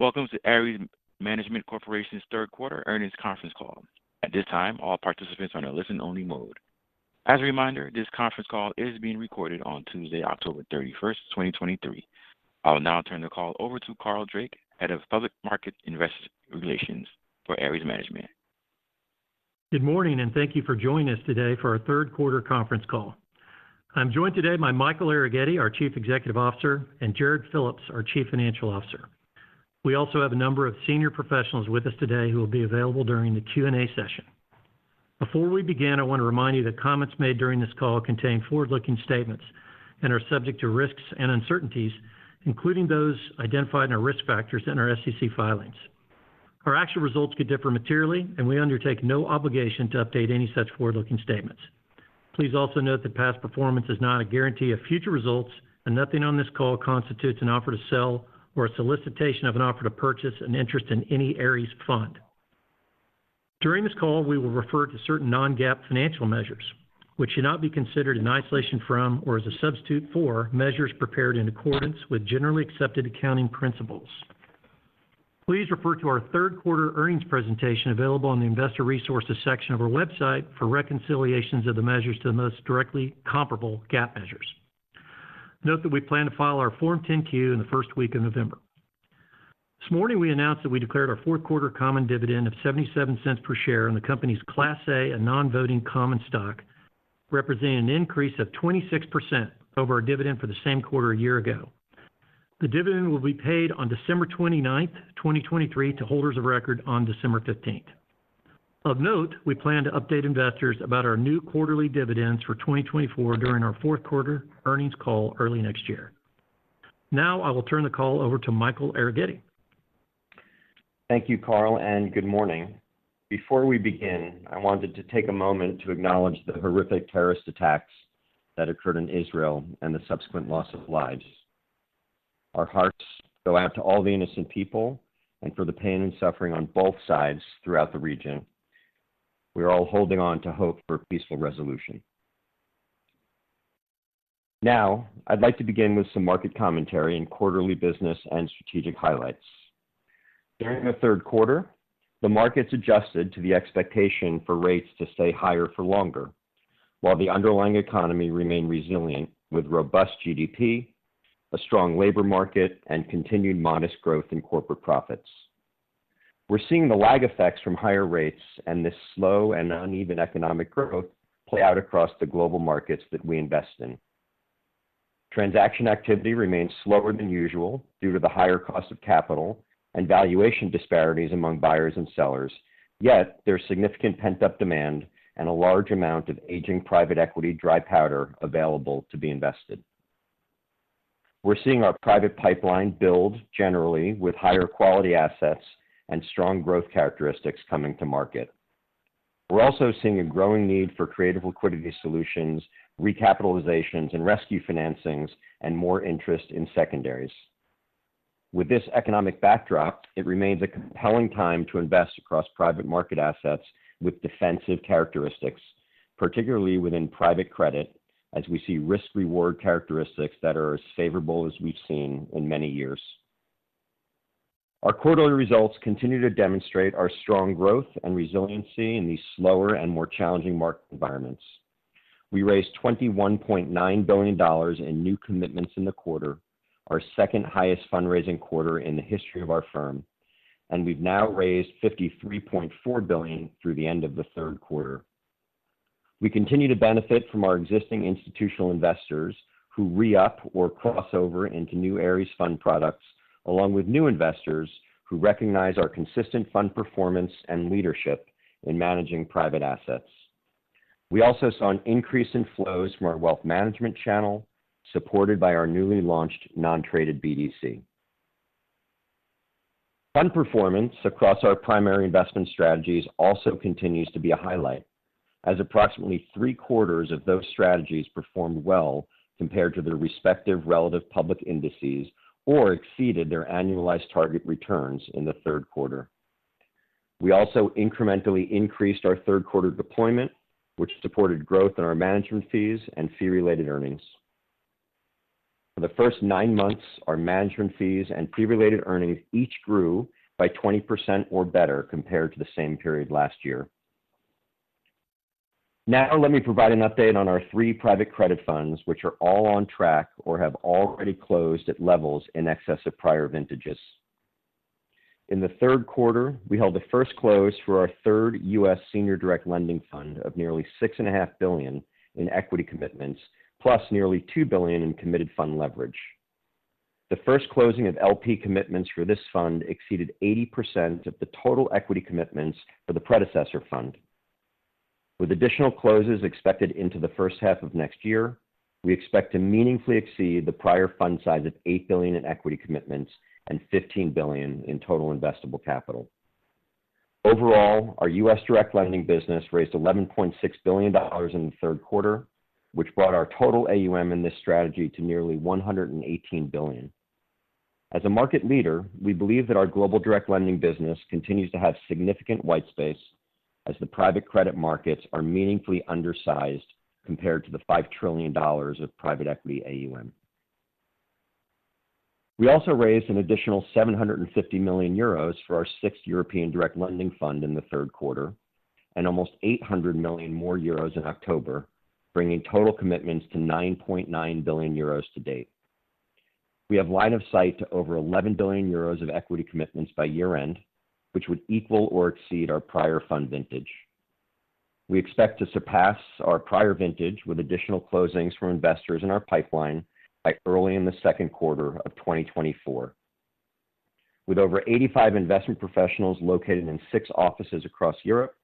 Welcome to Ares Management Corporation's third quarter earnings conference call. At this time, all participants are in a listen-only mode. As a reminder, this conference call is being recorded on Tuesday, October 31, 2023. I will now turn the call over to Carl Drake, Head of Public Markets Investor Relations for Ares Management. Good morning, and thank you for joining us today for our third quarter conference call. I'm joined today by Michael Arougheti, our Chief Executive Officer, and Jarrod Phillips, our Chief Financial Officer. We also have a number of senior professionals with us today who will be available during the Q&A session. Before we begin, I want to remind you that comments made during this call contain forward-looking statements and are subject to risks and uncertainties, including those identified in our risk factors in our SEC filings. Our actual results could differ materially, and we undertake no obligation to update any such forward-looking statements. Please also note that past performance is not a guarantee of future results, and nothing on this call constitutes an offer to sell or a solicitation of an offer to purchase an interest in any Ares fund. During this call, we will refer to certain non-GAAP financial measures, which should not be considered in isolation from or as a substitute for measures prepared in accordance with generally accepted accounting principles. Please refer to our third quarter earnings presentation, available on the Investor Resources section of our website, for reconciliations of the measures to the most directly comparable GAAP measures. Note that we plan to file our Form 10-Q in the first week of November. This morning, we announced that we declared our fourth quarter common dividend of $0.77 per share on the company's Class A and non-voting common stock, representing an increase of 26% over our dividend for the same quarter a year ago. The dividend will be paid on December 29, 2023, to holders of record on December 15. Of note, we plan to update investors about our new quarterly dividends for 2024 during our fourth quarter earnings call early next year. Now I will turn the call over to Michael Arougheti. Thank you, Carl, and good morning. Before we begin, I wanted to take a moment to acknowledge the horrific terrorist attacks that occurred in Israel and the subsequent loss of lives. Our hearts go out to all the innocent people and for the pain and suffering on both sides throughout the region. We are all holding on to hope for a peaceful resolution. Now, I'd like to begin with some market commentary and quarterly business and strategic highlights. During the third quarter, the markets adjusted to the expectation for rates to stay higher for longer, while the underlying economy remained resilient, with robust GDP, a strong labor market, and continued modest growth in corporate profits. We're seeing the lag effects from higher rates and this slow and uneven economic growth play out across the global markets that we invest in. Transaction activity remains slower than usual due to the higher cost of capital and valuation disparities among buyers and sellers. Yet there's significant pent-up demand and a large amount of aging private equity dry powder available to be invested. We're seeing our private pipeline build generally with higher quality assets and strong growth characteristics coming to market. We're also seeing a growing need for creative liquidity solutions, recapitalizations and rescue financings, and more interest in secondaries. With this economic backdrop, it remains a compelling time to invest across private market assets with defensive characteristics, particularly within private credit, as we see risk/reward characteristics that are as favorable as we've seen in many years. Our quarterly results continue to demonstrate our strong growth and resiliency in these slower and more challenging market environments. We raised $21.9 billion in new commitments in the quarter, our second highest fundraising quarter in the history of our firm, and we've now raised $53.4 billion through the end of the third quarter. We continue to benefit from our existing institutional investors who re-up or crossover into new Ares fund products, along with new investors who recognize our consistent fund performance and leadership in managing private assets. We also saw an increase in flows from our Wealth Management Channel, supported by our newly launched nontraded BDC. Fund performance across our primary investment strategies also continues to be a highlight, as approximately three quarters of those strategies performed well compared to their respective relative public indices or exceeded their annualized target returns in the third quarter. We also incrementally increased our third quarter deployment, which supported growth in our management fees and fee-related earnings. For the first nine months, our management fees and fee-related earnings each grew by 20% or better compared to the same period last year. Now, let me provide an update on our three private credit funds, which are all on track or have already closed at levels in excess of prior vintages. In the third quarter, we held the first close for our 3rd U.S. Senior Direct Lending Fund of nearly $6.5 billion in equity commitments, plus nearly $2 billion in committed fund leverage. The first closing of LP commitments for this fund exceeded 80% of the total equity commitments for the predecessor fund. With additional closes expected into the first half of next year, we expect to meaningfully exceed the prior fund size of $8 billion in equity commitments and $15 billion in total investable capital. Overall, our U.S. direct lending business raised $11.6 billion in the third quarter, which brought our total AUM in this strategy to nearly $118 billion. As a market leader, we believe that our global direct lending business continues to have significant white space as the private credit markets are meaningfully undersized compared to the $5 trillion of private equity AUM. We also raised an additional 750 million euros for our 6th European Direct Lending Fund in the third quarter, and almost 800 million more euros in October, bringing total commitments to 9.9 billion euros to date. We have line of sight to over 11 billion euros of equity commitments by year-end, which would equal or exceed our prior fund vintage. We expect to surpass our prior vintage with additional closings from investors in our pipeline by early in the second quarter of 2024. With over 85 investment professionals located in six offices across Europe,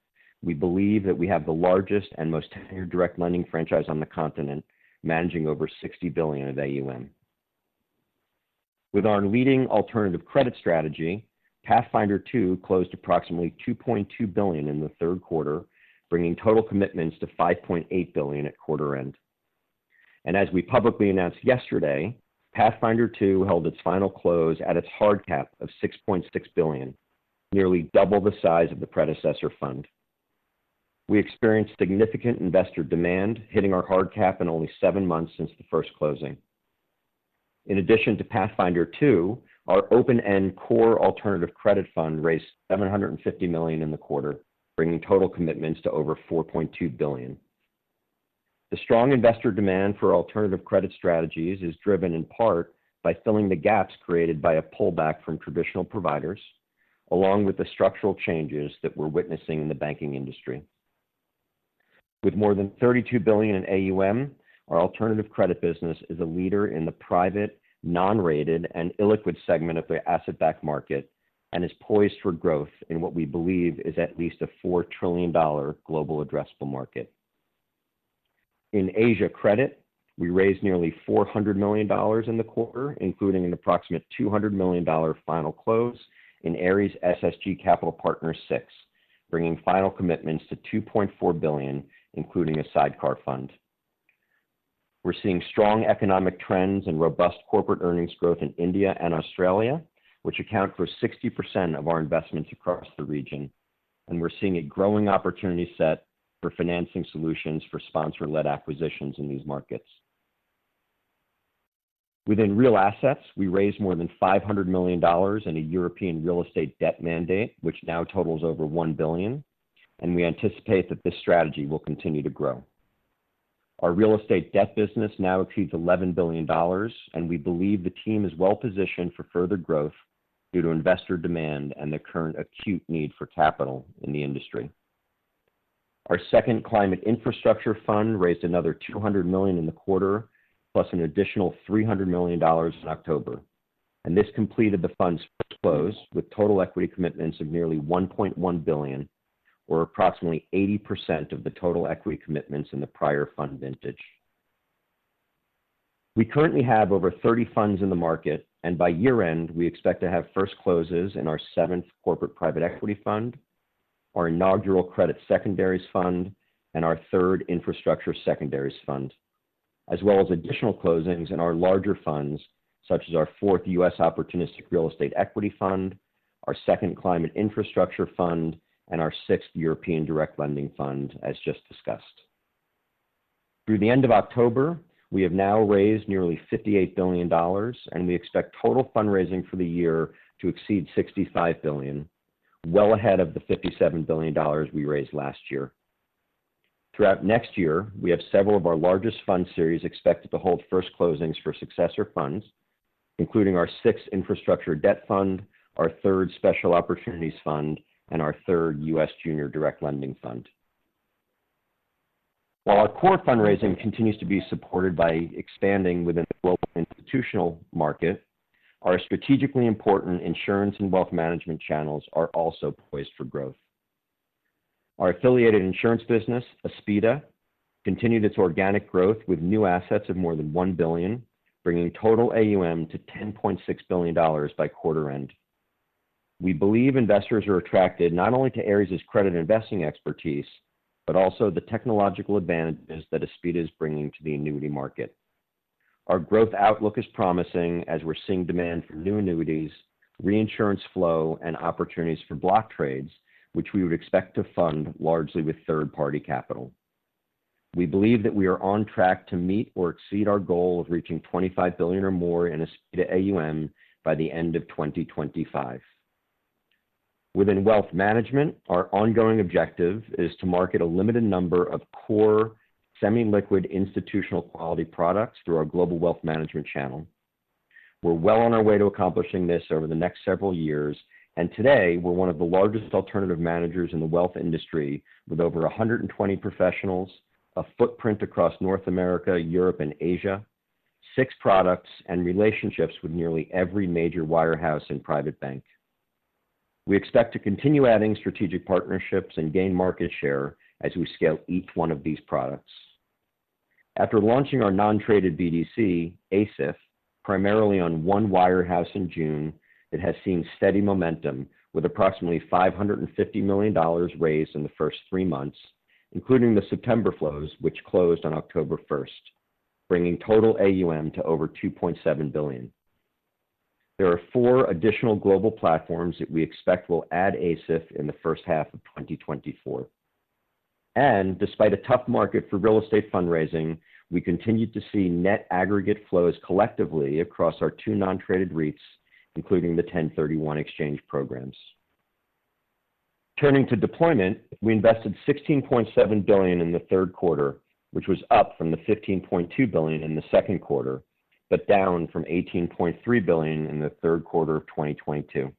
we believe that we have the largest and most tenured direct lending franchise on the continent, managing over $60 billion of AUM. With our leading alternative credit strategy, Pathfinder II closed approximately $2.2 billion in the third quarter, bringing total commitments to $5.8 billion at quarter end. As we publicly announced yesterday, Pathfinder II held its final close at its hard cap of $6.6 billion, nearly double the size of the predecessor fund. We experienced significant investor demand, hitting our hard cap in only 7 months since the first closing. In addition to Pathfinder II, our open-end core alternative credit fund raised $750 million in the quarter, bringing total commitments to over $4.2 billion. The strong investor demand for alternative credit strategies is driven in part by filling the gaps created by a pullback from traditional providers, along with the structural changes that we're witnessing in the banking industry. With more than $32 billion in AUM, our alternative credit business is a leader in the private, non-rated, and illiquid segment of the asset-backed market, and is poised for growth in what we believe is at least a $4 trillion global addressable market. In Asia Credit, we raised nearly $400 million in the quarter, including an approximate $200 million final close in Ares SSG Capital Partners VI, bringing final commitments to $2.4 billion, including a sidecar fund. We're seeing strong economic trends and robust corporate earnings growth in India and Australia, which account for 60% of our investments across the region, and we're seeing a growing opportunity set for financing solutions for sponsor-led acquisitions in these markets. Within real assets, we raised more than $500 million in a European real estate debt mandate, which now totals over $1 billion, and we anticipate that this strategy will continue to grow. Our real estate debt business now exceeds $11 billion, and we believe the team is well positioned for further growth due to investor demand and the current acute need for capital in the industry. Our 2nd Climate Infrastructure Fund raised another $200 million in the quarter, plus an additional $300 million in October, and this completed the fund's first close, with total equity commitments of nearly $1.1 billion, or approximately 80% of the total equity commitments in the prior fund vintage. We currently have over 30 funds in the market, and by year-end, we expect to have first closes in our 7th Corporate Private Equity Fund, our inaugural Credit Secondaries Fund, and our 3rd Infrastructure Secondaries Fund, as well as additional closings in our larger funds, such as our 4th U.S. Opportunistic Real Estate Equity Fund, our 2nd Climate Infrastructure Fund, and our 6th European Direct Lending Fund, as just discussed. Through the end of October, we have now raised nearly $58 billion, and we expect total fundraising for the year to exceed $65 billion, well ahead of the $57 billion we raised last year. Throughout next year, we have several of our largest fund series expected to hold first closings for successor funds, including our 6th Infrastructure Debt Fund, our 3rd Special Opportunities Fund, and our 3rd U.S. Junior Direct Lending Fund. While our core fundraising continues to be supported by expanding within the global institutional market, our strategically important insurance and Wealth Management Channels are also poised for growth. Our affiliated insurance business, Aspida, continued its organic growth with new assets of more than $1 billion, bringing total AUM to $10.6 billion by quarter end. We believe investors are attracted not only to Ares's credit and investing expertise, but also the technological advantages that Aspida is bringing to the annuity market. Our growth outlook is promising as we're seeing demand for new annuities, reinsurance flow, and opportunities for block trades, which we would expect to fund largely with third-party capital. We believe that we are on track to meet or exceed our goal of reaching $25 billion or more in Aspida AUM by the end of 2025. Within wealth management, our ongoing objective is to market a limited number of core, semi-liquid, institutional-quality products through our global Wealth Management Channel. We're well on our way to accomplishing this over the next several years, and today we're one of the largest alternative managers in the wealth industry, with over 120 professionals, a footprint across North America, Europe, and Asia, 6 products, and relationships with nearly every major wirehouse and private bank. We expect to continue adding strategic partnerships and gain market share as we scale each one of these products. After launching our nontraded BDC, ASIF, primarily on one wirehouse in June, it has seen steady momentum, with approximately $550 million raised in the first three months, including the September flows, which closed on October first, bringing total AUM to over $2.7 billion. There are four additional global platforms that we expect will add ASIF in the first half of 2024. Despite a tough market for real estate fundraising, we continued to see net aggregate flows collectively across our two nontraded REITs, including the 1031 exchange programs. Turning to deployment, we invested $16.7 billion in the third quarter, which was up from the $15.2 billion in the second quarter, but down from $18.3 billion in the third quarter of 2022.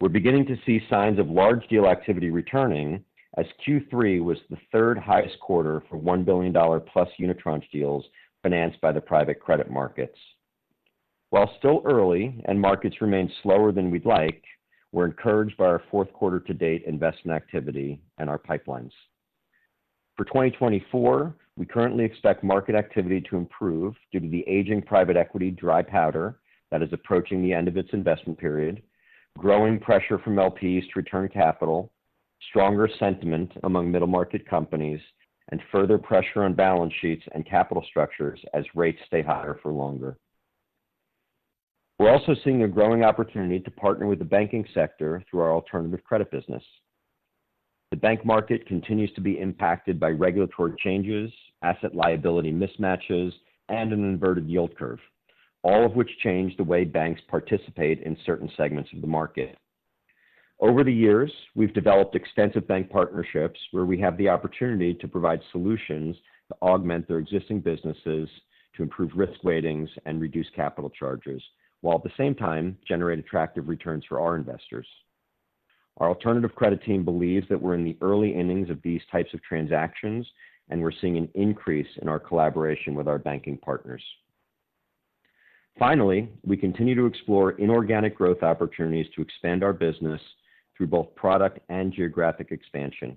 We're beginning to see signs of large deal activity returning, as Q3 was the third highest quarter for $1 billion-plus unitranche deals financed by the private credit markets. While still early and markets remain slower than we'd like, we're encouraged by our fourth quarter-to-date investment activity and our pipelines. For 2024, we currently expect market activity to improve due to the aging private equity dry powder that is approaching the end of its investment period, growing pressure from LPs to return capital, stronger sentiment among middle market companies, and further pressure on balance sheets and capital structures as rates stay higher for longer. We're also seeing a growing opportunity to partner with the banking sector through our alternative credit business. The bank market continues to be impacted by regulatory changes, asset liability mismatches, and an inverted yield curve, all of which change the way banks participate in certain segments of the market. Over the years, we've developed extensive bank partnerships where we have the opportunity to provide solutions to augment their existing businesses, to improve risk weightings and reduce capital charges, while at the same time generate attractive returns for our investors. Our alternative credit team believes that we're in the early innings of these types of transactions, and we're seeing an increase in our collaboration with our banking partners. Finally, we continue to explore inorganic growth opportunities to expand our business through both product and geographic expansion.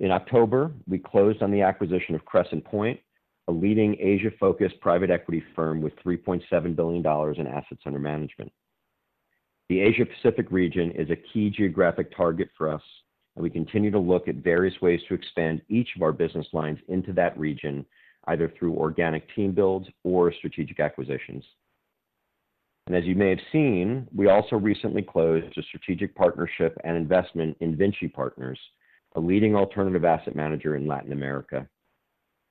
In October, we closed on the acquisition of Crescent Point, a leading Asia-focused private equity firm with $3.7 billion in assets under management. The Asia Pacific region is a key geographic target for us, and we continue to look at various ways to expand each of our business lines into that region, either through organic team builds or strategic acquisitions. As you may have seen, we also recently closed a strategic partnership and investment in Vinci Partners, a leading alternative asset manager in Latin America.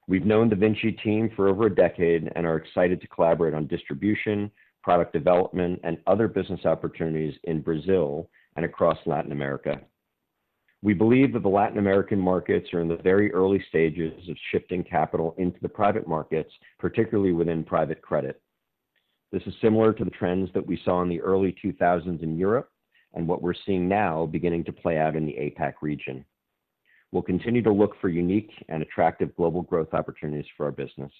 We've known the Vinci team for over a decade and are excited to collaborate on distribution, product development, and other business opportunities in Brazil and across Latin America. We believe that the Latin American markets are in the very early stages of shifting capital into the private markets, particularly within private credit. This is similar to the trends that we saw in the early 2000s in Europe, and what we're seeing now beginning to play out in the APAC region. We'll continue to look for unique and attractive global growth opportunities for our business.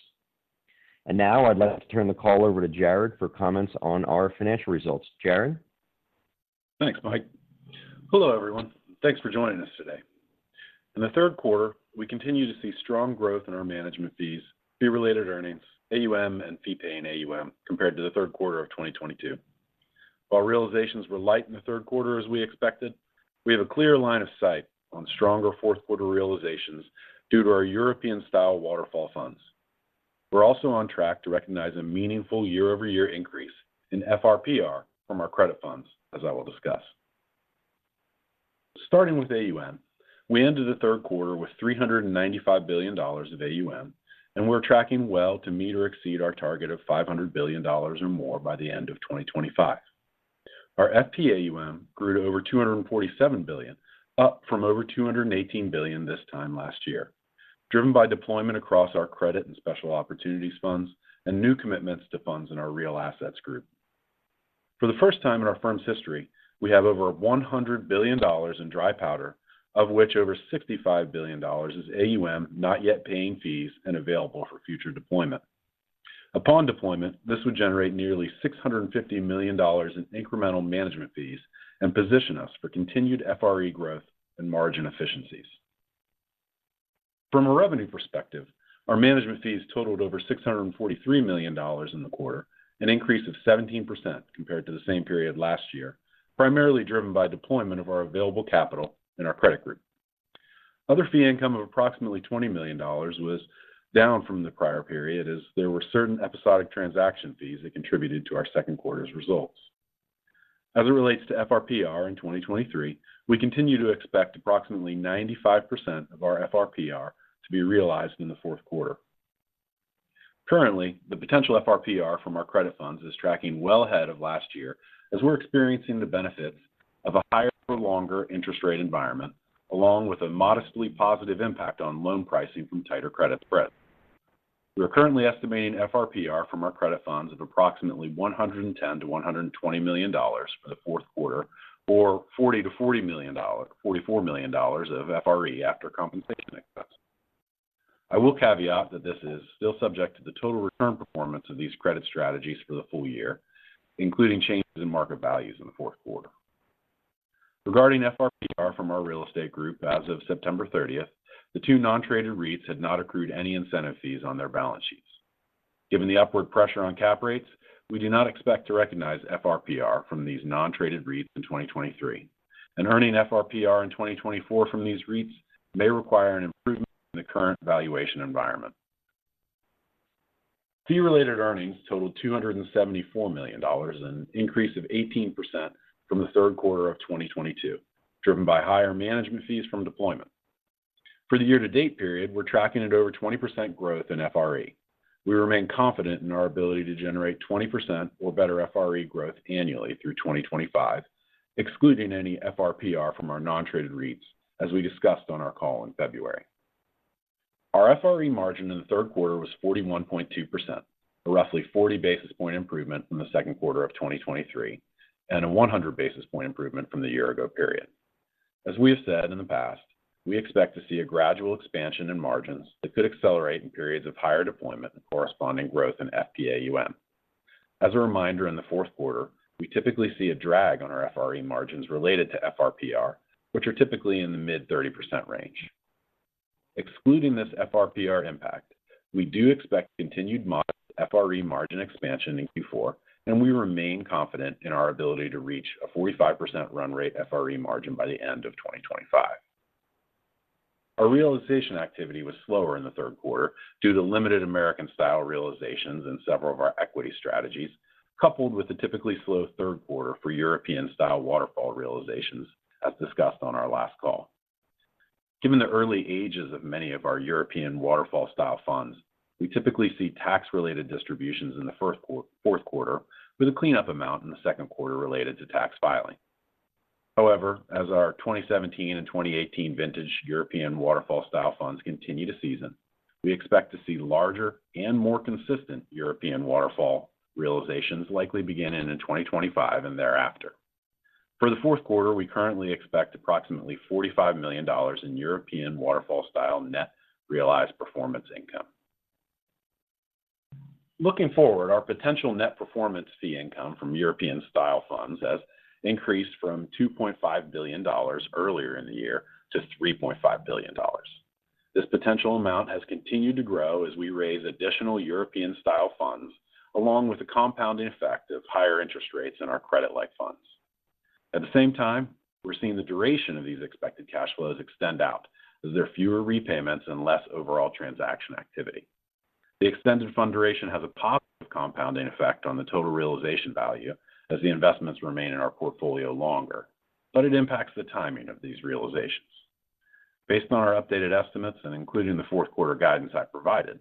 Now I'd like to turn the call over to Jarrod for comments on our financial results. Jarrod? Thanks, Mike. Hello, everyone. Thanks for joining us today. In the third quarter, we continue to see strong growth in our management fees, fee-related earnings, AUM, and fee-paying AUM compared to the third quarter of 2022. While realizations were light in the third quarter, as we expected, we have a clear line of sight on stronger fourth quarter realizations due to our European-style waterfall funds. We're also on track to recognize a meaningful year-over-year increase in FRPR from our credit funds, as I will discuss. Starting with AUM, we ended the third quarter with $395 billion of AUM, and we're tracking well to meet or exceed our target of $500 billion or more by the end of 2025. Our FPAUM grew to over $247 billion, up from over $218 billion this time last year, driven by deployment across our credit and special opportunities funds and new commitments to funds in our real assets group. For the first time in our firm's history, we have over $100 billion in dry powder, of which over $65 billion is AUM, not yet paying fees and available for future deployment. Upon deployment, this would generate nearly $650 million in incremental management fees and position us for continued FRE growth and margin efficiencies. From a revenue perspective, our management fees totaled over $643 million in the quarter, an increase of 17% compared to the same period last year, primarily driven by deployment of our available capital in our credit group. Other fee income of approximately $20 million was down from the prior period, as there were certain episodic transaction fees that contributed to our second quarter's results. As it relates to FRPR in 2023, we continue to expect approximately 95% of our FRPR to be realized in the fourth quarter. Currently, the potential FRPR from our credit funds is tracking well ahead of last year as we're experiencing the benefits of a higher for longer interest rate environment, along with a modestly positive impact on loan pricing from tighter credit spreads. We are currently estimating FRPR from our credit funds of approximately $110 million-$120 million for the fourth quarter, or $40 million-$44 million of FRE after compensation expenses. I will caveat that this is still subject to the total return performance of these credit strategies for the full year, including changes in market values in the fourth quarter. Regarding FRPR from our real estate group as of September 30th, the two nontraded REITs had not accrued any incentive fees on their balance sheets. Given the upward pressure on cap rates, we do not expect to recognize FRPR from these nontraded REITs in 2023, and earning FRPR in 2024 from these REITs may require an improvement in the current valuation environment.... Fee-related earnings totaled $274 million, an increase of 18% from the third quarter of 2022, driven by higher management fees from deployment. For the year-to-date period, we're tracking at over 20% growth in FRE. We remain confident in our ability to generate 20% or better FRE growth annually through 2025, excluding any FRPR from our nontraded REITs, as we discussed on our call in February. Our FRE margin in the third quarter was 41.2%, a roughly 40 basis point improvement from the second quarter of 2023, and a 100 basis point improvement from the year ago period. As we have said in the past, we expect to see a gradual expansion in margins that could accelerate in periods of higher deployment and corresponding growth in FPAUM. As a reminder, in the fourth quarter, we typically see a drag on our FRE margins related to FRPR, which are typically in the mid-30% range. Excluding this FRPR impact, we do expect continued moderate FRE margin expansion in Q4, and we remain confident in our ability to reach a 45% run rate FRE margin by the end of 2025. Our realization activity was slower in the third quarter due to limited American-style realizations in several of our equity strategies, coupled with the typically slow third quarter for European-style waterfall realizations, as discussed on our last call. Given the early ages of many of our European waterfall-style funds, we typically see tax-related distributions in the fourth quarter, with a cleanup amount in the second quarter related to tax filing. However, as our 2017 and 2018 vintage European waterfall-style funds continue to season, we expect to see larger and more consistent European waterfall realizations likely beginning in 2025 and thereafter. For the fourth quarter, we currently expect approximately $45 million in European-style waterfall net realized performance income. Looking forward, our potential net performance fee income from European-style funds has increased from $2.5 billion earlier in the year to $3.5 billion. This potential amount has continued to grow as we raise additional European-style funds, along with the compounding effect of higher interest rates in our credit-like funds. At the same time, we're seeing the duration of these expected cash flows extend out as there are fewer repayments and less overall transaction activity. The extended fund duration has a positive compounding effect on the total realization value as the investments remain in our portfolio longer, but it impacts the timing of these realizations. Based on our updated estimates and including the fourth quarter guidance I provided,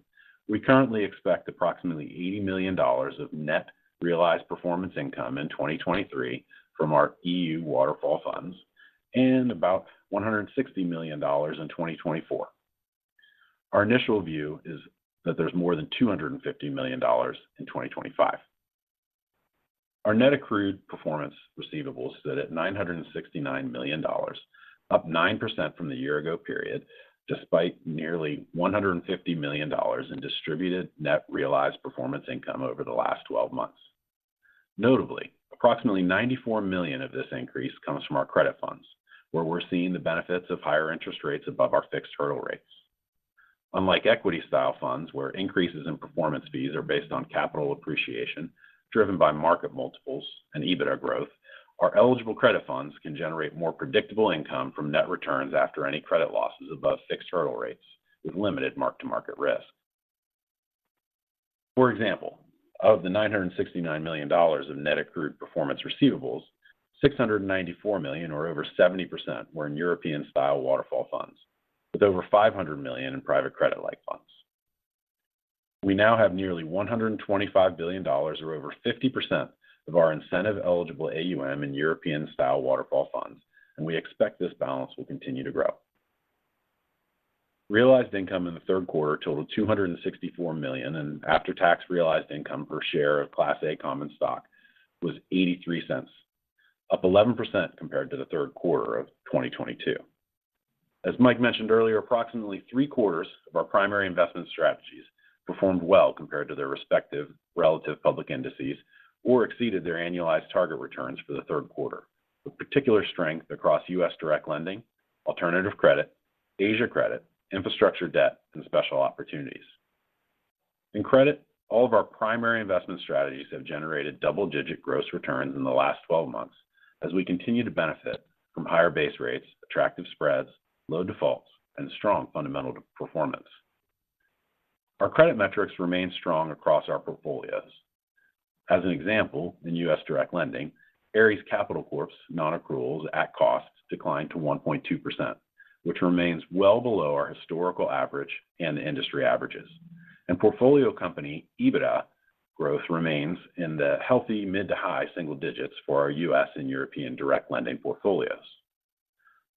we currently expect approximately $80 million of net realized performance income in 2023 from our EU waterfall funds and about $160 million in 2024. Our initial view is that there's more than $250 million in 2025. Our net accrued performance receivables stood at $969 million, up 9% from the year ago period, despite nearly $150 million in distributed net realized performance income over the last 12 months. Notably, approximately $94 million of this increase comes from our credit funds, where we're seeing the benefits of higher interest rates above our fixed hurdle rates. Unlike equity-style funds, where increases in performance fees are based on capital appreciation driven by market multiples and EBITDA growth, our eligible credit funds can generate more predictable income from net returns after any credit losses above fixed hurdle rates, with limited mark-to-market risk. For example, of the $969 million of net accrued performance receivables, $694 million, or over 70%, were in European-style waterfall funds, with over $500 million in private credit-like funds. We now have nearly $125 billion, or over 50% of our incentive-eligible AUM in European-style waterfall funds, and we expect this balance will continue to grow. Realized income in the third quarter totaled $264 million, and after-tax realized income per share of Class A common stock was $0.83, up 11% compared to the third quarter of 2022. As Mike mentioned earlier, approximately three quarters of our primary investment strategies performed well compared to their respective relative public indices or exceeded their annualized target returns for the third quarter, with particular strength across U.S. direct lending, alternative credit, Asia Credit, infrastructure debt, and special opportunities. In credit, all of our primary investment strategies have generated double-digit gross returns in the last 12 months as we continue to benefit from higher base rates, attractive spreads, low defaults, and strong fundamental performance. Our credit metrics remain strong across our portfolios. As an example, in U.S. direct lending, Ares Capital Corp's nonaccruals at costs declined to 1.2%, which remains well below our historical average and the industry averages. Portfolio company EBITDA growth remains in the healthy mid- to high-single digits for our U.S. and European direct lending portfolios.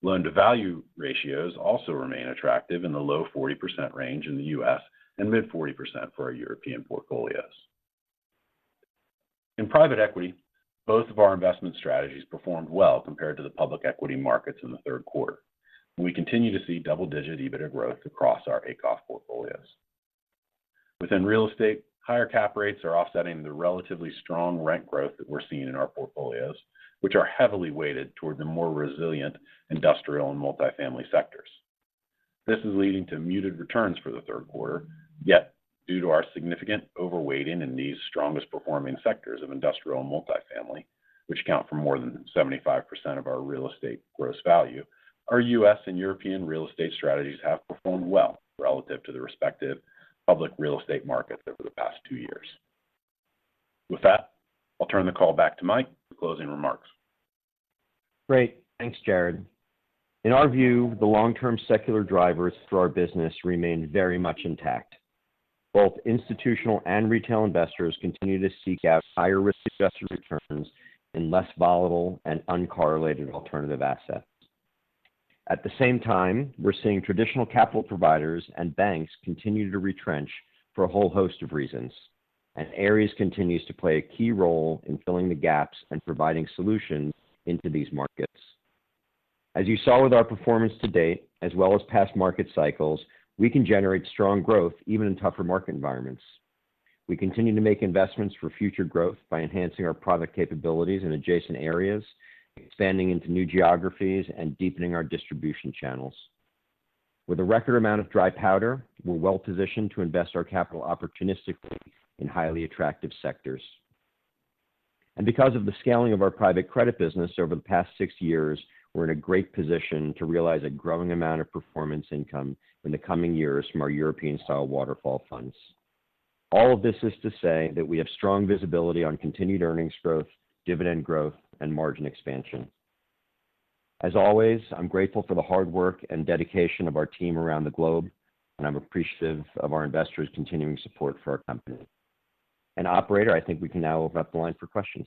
Loan-to-value ratios also remain attractive in the low 40% range in the U.S. and mid-40% for our European portfolios. In private equity, both of our investment strategies performed well compared to the public equity markets in the third quarter. We continue to see double-digit EBITDA growth across our ACOF portfolios. Within real estate, higher cap rates are offsetting the relatively strong rent growth that we're seeing in our portfolios, which are heavily weighted toward the more resilient industrial and multifamily sectors. This is leading to muted returns for the third quarter, yet due to our significant overweighting in these strongest performing sectors of industrial and multifamily, which account for more than 75% of our real estate gross value, our U.S. and European real estate strategies have performed well relative to the respective public real estate markets over the past 2 years.... With that, I'll turn the call back to Mike for closing remarks. Great. Thanks, Jarrod. In our view, the long-term secular drivers for our business remain very much intact. Both institutional and retail investors continue to seek out higher risk-adjusted returns in less volatile and uncorrelated alternative assets. At the same time, we're seeing traditional capital providers and banks continue to retrench for a whole host of reasons, and Ares continues to play a key role in filling the gaps and providing solutions into these markets. As you saw with our performance to date, as well as past market cycles, we can generate strong growth even in tougher market environments. We continue to make investments for future growth by enhancing our product capabilities in adjacent areas, expanding into new geographies, and deepening our distribution channels. With a record amount of dry powder, we're well positioned to invest our capital opportunistically in highly attractive sectors. And because of the scaling of our private credit business over the past six years, we're in a great position to realize a growing amount of performance income in the coming years from our European-style waterfall funds. All of this is to say that we have strong visibility on continued earnings growth, dividend growth, and margin expansion. As always, I'm grateful for the hard work and dedication of our team around the globe, and I'm appreciative of our investors' continuing support for our company. And operator, I think we can now open up the line for questions.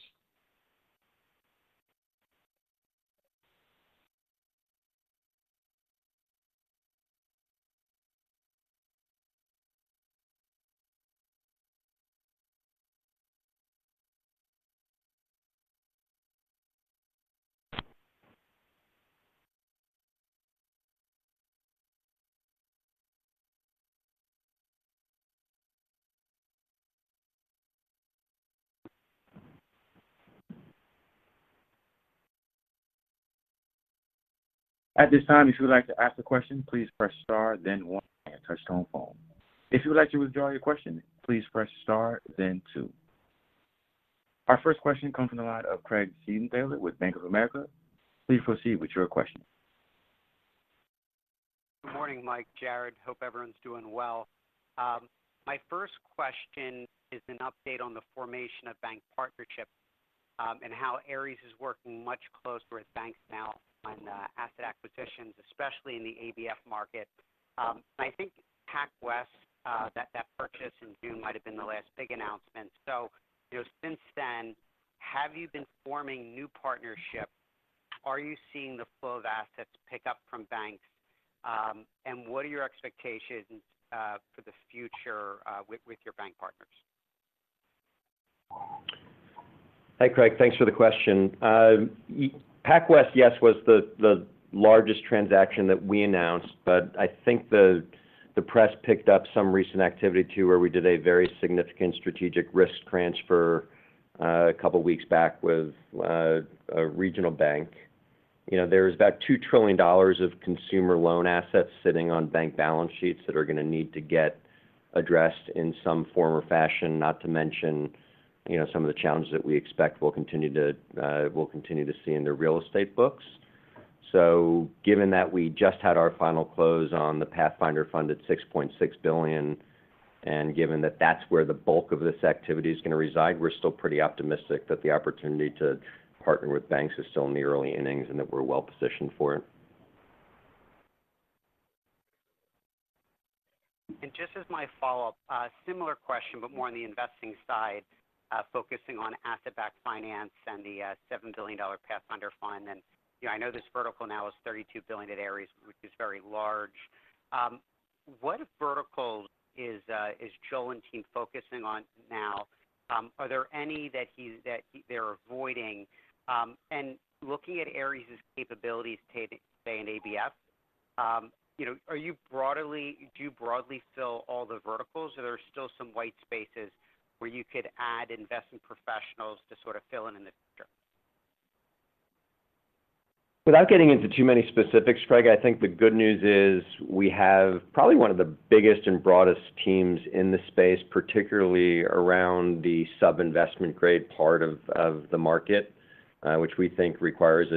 At this time, if you would like to ask a question, please press star then one on your touch-tone phone. If you would like to withdraw your question, please press star then two. Our first question comes from the line of Craig Siegenthaler with Bank of America. Please proceed with your question. Good morning, Mike, Jarrod. Hope everyone's doing well. My first question is an update on the formation of bank partnerships, and how Ares is working much closer with banks now on asset acquisitions, especially in the ABF market. I think PacWest, that purchase in June might have been the last big announcement. So, you know, since then, have you been forming new partnerships? Are you seeing the flow of assets pick up from banks? And what are your expectations for the future with your bank partners? Hi, Craig. Thanks for the question. PacWest, yes, was the largest transaction that we announced, but I think the press picked up some recent activity, too, where we did a very significant strategic risk transfer, a couple of weeks back with a regional bank. You know, there's about $2 trillion of consumer loan assets sitting on bank balance sheets that are going to need to get addressed in some form or fashion, not to mention, you know, some of the challenges that we expect we'll continue to see in the real estate books. Given that we just had our final close on the Pathfinder Fund at $6.6 billion, and given that that's where the bulk of this activity is going to reside, we're still pretty optimistic that the opportunity to partner with banks is still in the early innings and that we're well positioned for it. Just as my follow-up, similar question, but more on the investing side, focusing on asset-backed finance and the $7 billion Pathfinder fund. You know, I know this vertical now is $32 billion at Ares, which is very large. What vertical is Joel and team focusing on now? Are there any that he's—that he and they're avoiding? And looking at Ares' capabilities today in ABF, you know, do you broadly fill all the verticals? Are there still some white spaces where you could add investment professionals to sort of fill in in the future? Without getting into too many specifics, Craig, I think the good news is we have probably one of the biggest and broadest teams in the space, particularly around the sub-investment grade part of the market, which we think requires.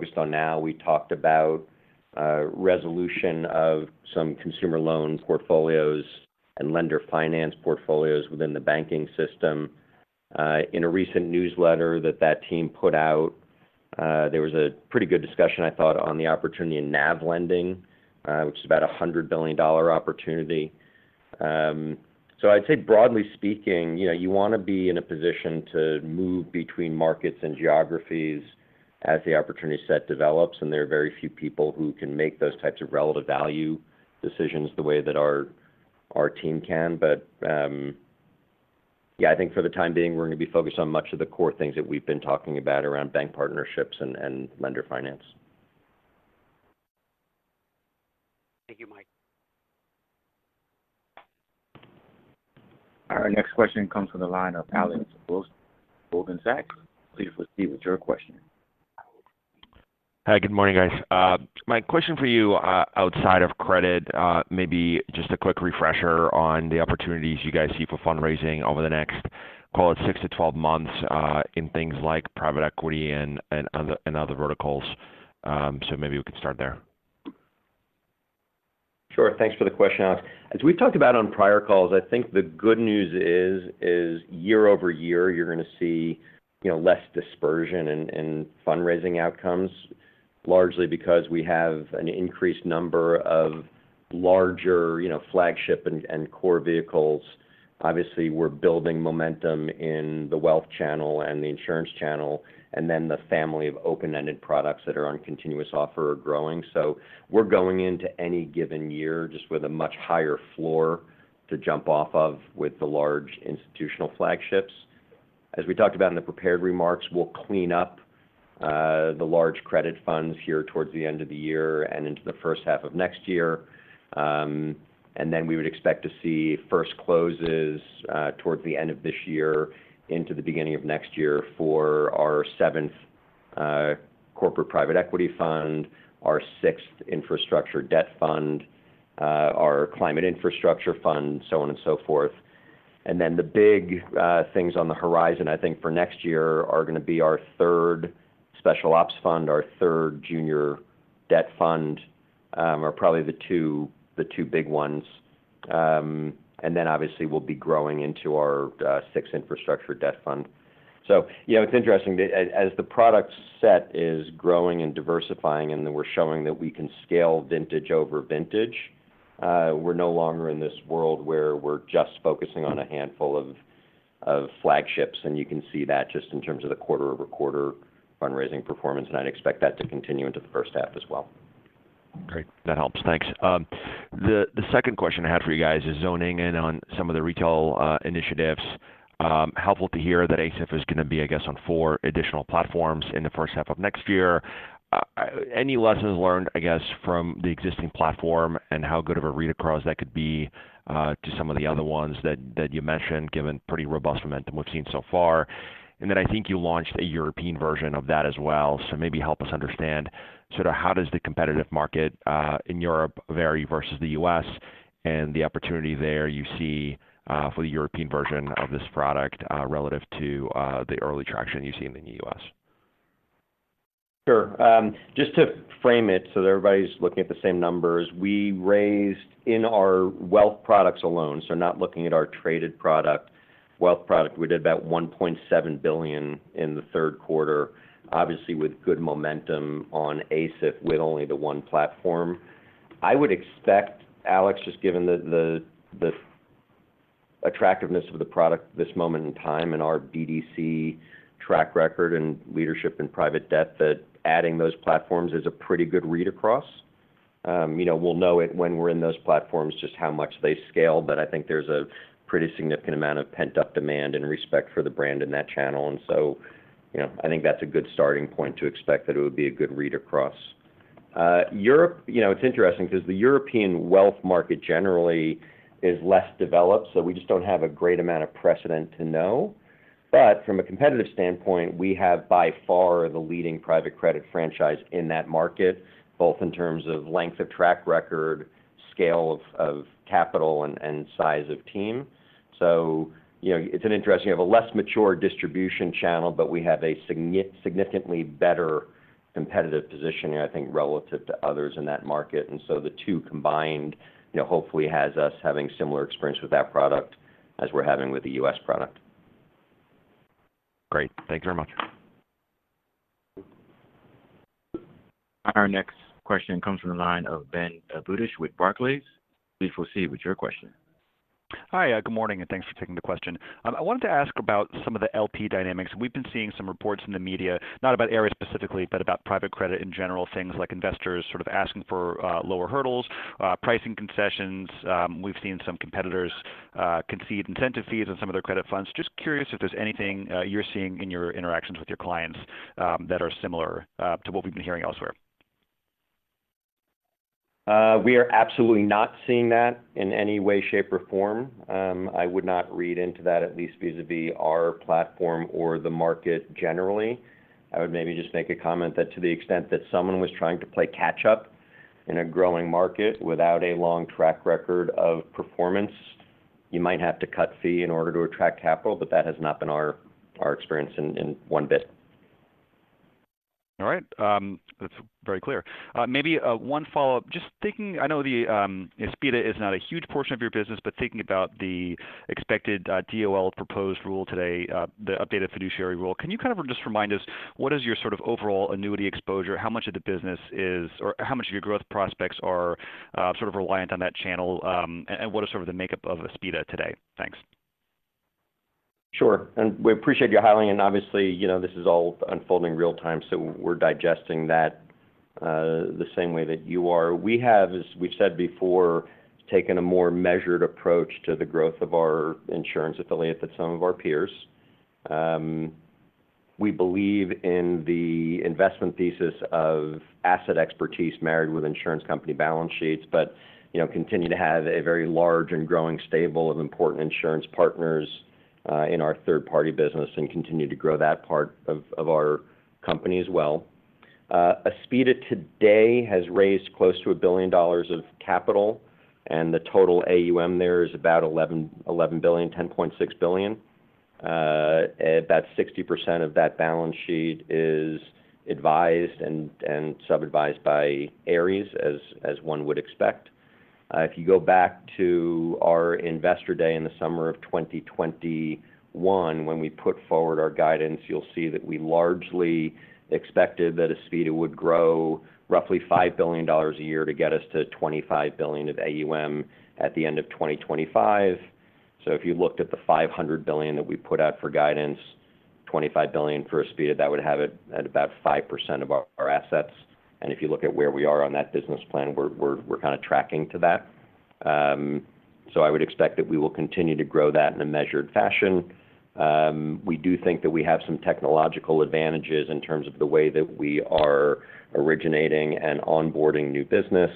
We're focused on now. We talked about resolution of some consumer loan portfolios and lender finance portfolios within the banking system. In a recent newsletter that team put out, there was a pretty good discussion, I thought, on the opportunity in NAV Lending, which is about a $100 billion opportunity. So I'd say, broadly speaking, you know, you want to be in a position to move between markets and geographies as the opportunity set develops, and there are very few people who can make those types of relative value decisions the way that our team can. But, yeah, I think for the time being, we're going to be focused on much of the core things that we've been talking about around bank partnerships and, and lender finance. Thank you, Mike. Our next question comes from the line of Alex Blostein, Goldman Sachs. Please proceed with your question. Hi, good morning, guys. My question for you, outside of credit, maybe just a quick refresher on the opportunities you guys see for fundraising over the next, call it 6-12 months, in things like private equity and other verticals. So maybe we could start there. Sure. Thanks for the question, Alex. As we've talked about on prior calls, I think the good news is, is year-over-year, you're going to see, you know, less dispersion in, in fundraising outcomes, largely because we have an increased number of larger, you know, flagship and, and core vehicles. Obviously, we're building momentum in the wealth channel and the insurance channel, and then the family of open-ended products that are on continuous offer are growing. So we're going into any given year just with a much higher floor to jump off of with the large institutional flagships. As we talked about in the prepared remarks, we'll clean up the large credit funds here towards the end of the year and into the first half of next year. And then we would expect to see first closes towards the end of this year into the beginning of next year for our 7th Corporate Private Equity Fund, our 6th Infrastructure Debt Fund, our Climate Infrastructure Fund, so on and so forth. And then the big things on the horizon, I think, for next year are going to be our 3rd Special Ops Fund, our 3rd Junior Debt Fund, are probably the two, the two big ones. And then obviously, we'll be growing into our 6th Infrastructure Debt Fund. So yeah, it's interesting, as the product set is growing and diversifying, and then we're showing that we can scale vintage over vintage, we're no longer in this world where we're just focusing on a handful of flagships, and you can see that just in terms of the quarter-over-quarter fundraising performance, and I'd expect that to continue into the first half as well. Great. That helps. Thanks. The second question I had for you guys is zoning in on some of the retail initiatives. Helpful to hear that ASIF is going to be, I guess, on four additional platforms in the first half of next year. Any lessons learned, I guess, from the existing platform and how good of a read-across that could be to some of the other ones that you mentioned, given pretty robust momentum we've seen so far? And then I think you launched a European version of that as well. So maybe help us understand, sort of, how does the competitive market in Europe vary versus the U.S., and the opportunity there you see for the European version of this product relative to the early traction you've seen in the U.S.? Sure. Just to frame it so that everybody's looking at the same numbers. We raised in our wealth products alone, so not looking at our traded product, wealth product, we did about $1.7 billion in the third quarter, obviously, with good momentum on ASIF with only the one platform. I would expect, Alex, just given the, the, the attractiveness of the product at this moment in time and our BDC track record and leadership in private debt, that adding those platforms is a pretty good read-across. You know, we'll know it when we're in those platforms, just how much they scale, but I think there's a pretty significant amount of pent-up demand and respect for the brand in that channel, and so, you know, I think that's a good starting point to expect that it would be a good read-across. Europe, you know, it's interesting because the European wealth market generally is less developed, so we just don't have a great amount of precedent to know. But from a competitive standpoint, we have, by far, the leading private credit franchise in that market, both in terms of length of track record, scale of capital, and size of team. So you know, it's interesting. You have a less mature distribution channel, but we have a significantly better competitive positioning, I think, relative to others in that market. And so the two combined, you know, hopefully has us having similar experience with that product as we're having with the U.S. product. Great. Thank you very much. Our next question comes from the line of Ben Budish with Barclays. Please proceed with your question. Hi, good morning, and thanks for taking the question. I wanted to ask about some of the LP dynamics. We've been seeing some reports in the media, not about Ares specifically, but about private credit in general. Things like investors sort of asking for lower hurdles, pricing concessions. We've seen some competitors concede incentive fees on some of their credit funds. Just curious if there's anything you're seeing in your interactions with your clients that are similar to what we've been hearing elsewhere. We are absolutely not seeing that in any way, shape, or form. I would not read into that, at least vis-à-vis our platform or the market generally. I would maybe just make a comment that to the extent that someone was trying to play catch up in a growing market without a long track record of performance, you might have to cut fee in order to attract capital, but that has not been our experience in one bit. All right. That's very clear. Maybe one follow-up. Just thinking—I know the Aspida is not a huge portion of your business, but thinking about the expected DOL proposed rule today, the updated fiduciary rule, can you kind of just remind us, what is your sort of overall annuity exposure? How much of the business is—or how much of your growth prospects are sort of reliant on that channel? And what is sort of the makeup of Aspida today? Thanks. Sure. We appreciate you highlighting, and obviously, you know, this is all unfolding real time, so we're digesting that, the same way that you are. We have, as we've said before, taken a more measured approach to the growth of our insurance affiliate than some of our peers. We believe in the investment thesis of asset expertise married with insurance company balance sheets, but, you know, continue to have a very large and growing stable of important insurance partners, in our third-party business and continue to grow that part of our company as well. Aspida today has raised close to $1 billion of capital, and the total AUM there is about $11.1 billion, $10.6 billion. About 60% of that balance sheet is advised and sub-advised by Ares, as one would expect. If you go back to our investor day in the summer of 2021, when we put forward our guidance, you'll see that we largely expected that Aspida would grow roughly $5 billion a year to get us to $25 billion of AUM at the end of 2025. So if you looked at the $500 billion that we put out for guidance, $25 billion for Aspida, that would have it at about 5% of our assets. And if you look at where we are on that business plan, we're kind of tracking to that. So I would expect that we will continue to grow that in a measured fashion. We do think that we have some technological advantages in terms of the way that we are originating and onboarding new business.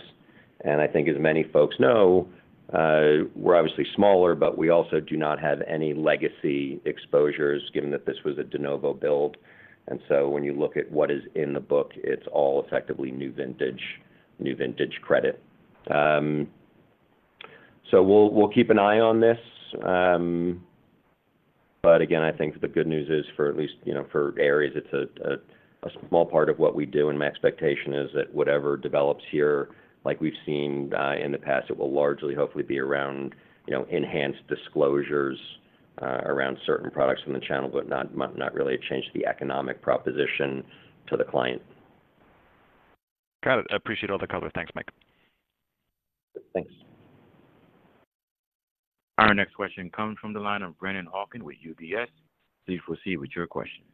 I think as many folks know, we're obviously smaller, but we also do not have any legacy exposures, given that this was a de novo build. So when you look at what is in the book, it's all effectively new vintage, new vintage credit. So we'll, we'll keep an eye on this. But again, I think the good news is for at least, you know, for Ares, it's a, a, a small part of what we do, and my expectation is that whatever develops here, like we've seen, in the past, it will largely hopefully be around, you know, enhanced disclosures, around certain products from the channel, but not, not really a change to the economic proposition to the client. Got it. I appreciate all the color. Thanks, Mike. Thanks. Our next question comes from the line of Brennan Hawken with UBS. Please proceed with your question.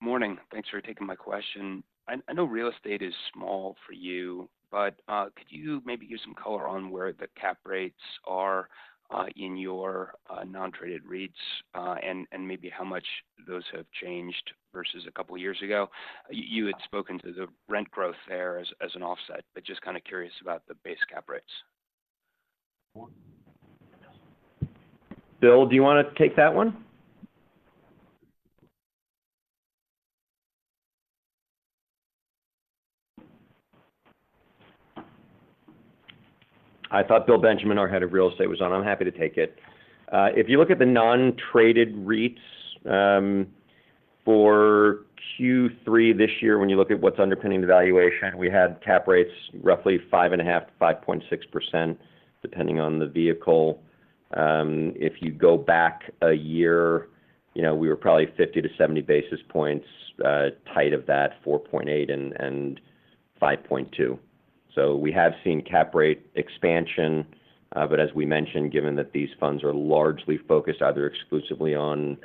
Morning. Thanks for taking my question. I know real estate is small for you, but could you maybe give some color on where the cap rates are in your nontraded REITs, and maybe how much those have changed versus a couple of years ago? You had spoken to the rent growth there as an offset, but just kind of curious about the base cap rates. Bill, do you want to take that one? I thought Bill Benjamin, our head of real estate, was on. I'm happy to take it. If you look at the nontraded REITs, for Q3 this year, when you look at what's underpinning the valuation, we had cap rates roughly 5.5%-5.6%, depending on the vehicle. If you go back a year, you know, we were probably 50-70 basis points tight of that 4.8 and five point two. So we have seen cap rate expansion, but as we mentioned, given that these funds are largely focused either exclusively on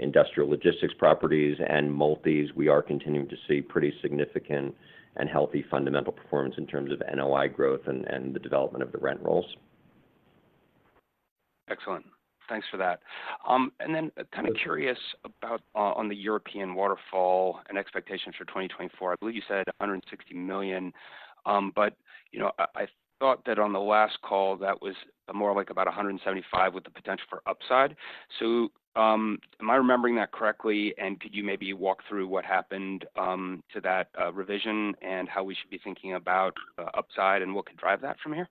industrial logistics properties and multis, we are continuing to see pretty significant and healthy fundamental performance in terms of NOI growth and the development of the rent rolls. Excellent. Thanks for that. And then kind of curious about, on the European waterfall and expectations for 2024. I believe you said $160 million, but, you know, I, I thought that on the last call, that was more like about $175 million, with the potential for upside. So, am I remembering that correctly? And could you maybe walk through what happened, to that, revision, and how we should be thinking about, upside and what could drive that from here?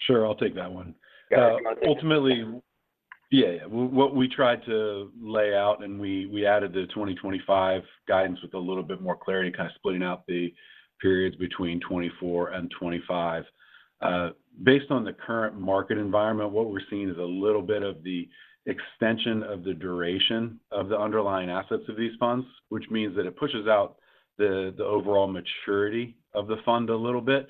Sure. I'll take that one. Got it. Ultimately... Yeah, yeah. What we tried to lay out, and we added the 2025 guidance with a little bit more clarity, kind of splitting out the periods between 2024 and 2025. Based on the current market environment, what we're seeing is a little bit of the extension of the duration of the underlying assets of these funds, which means that it pushes out the overall maturity of the fund a little bit.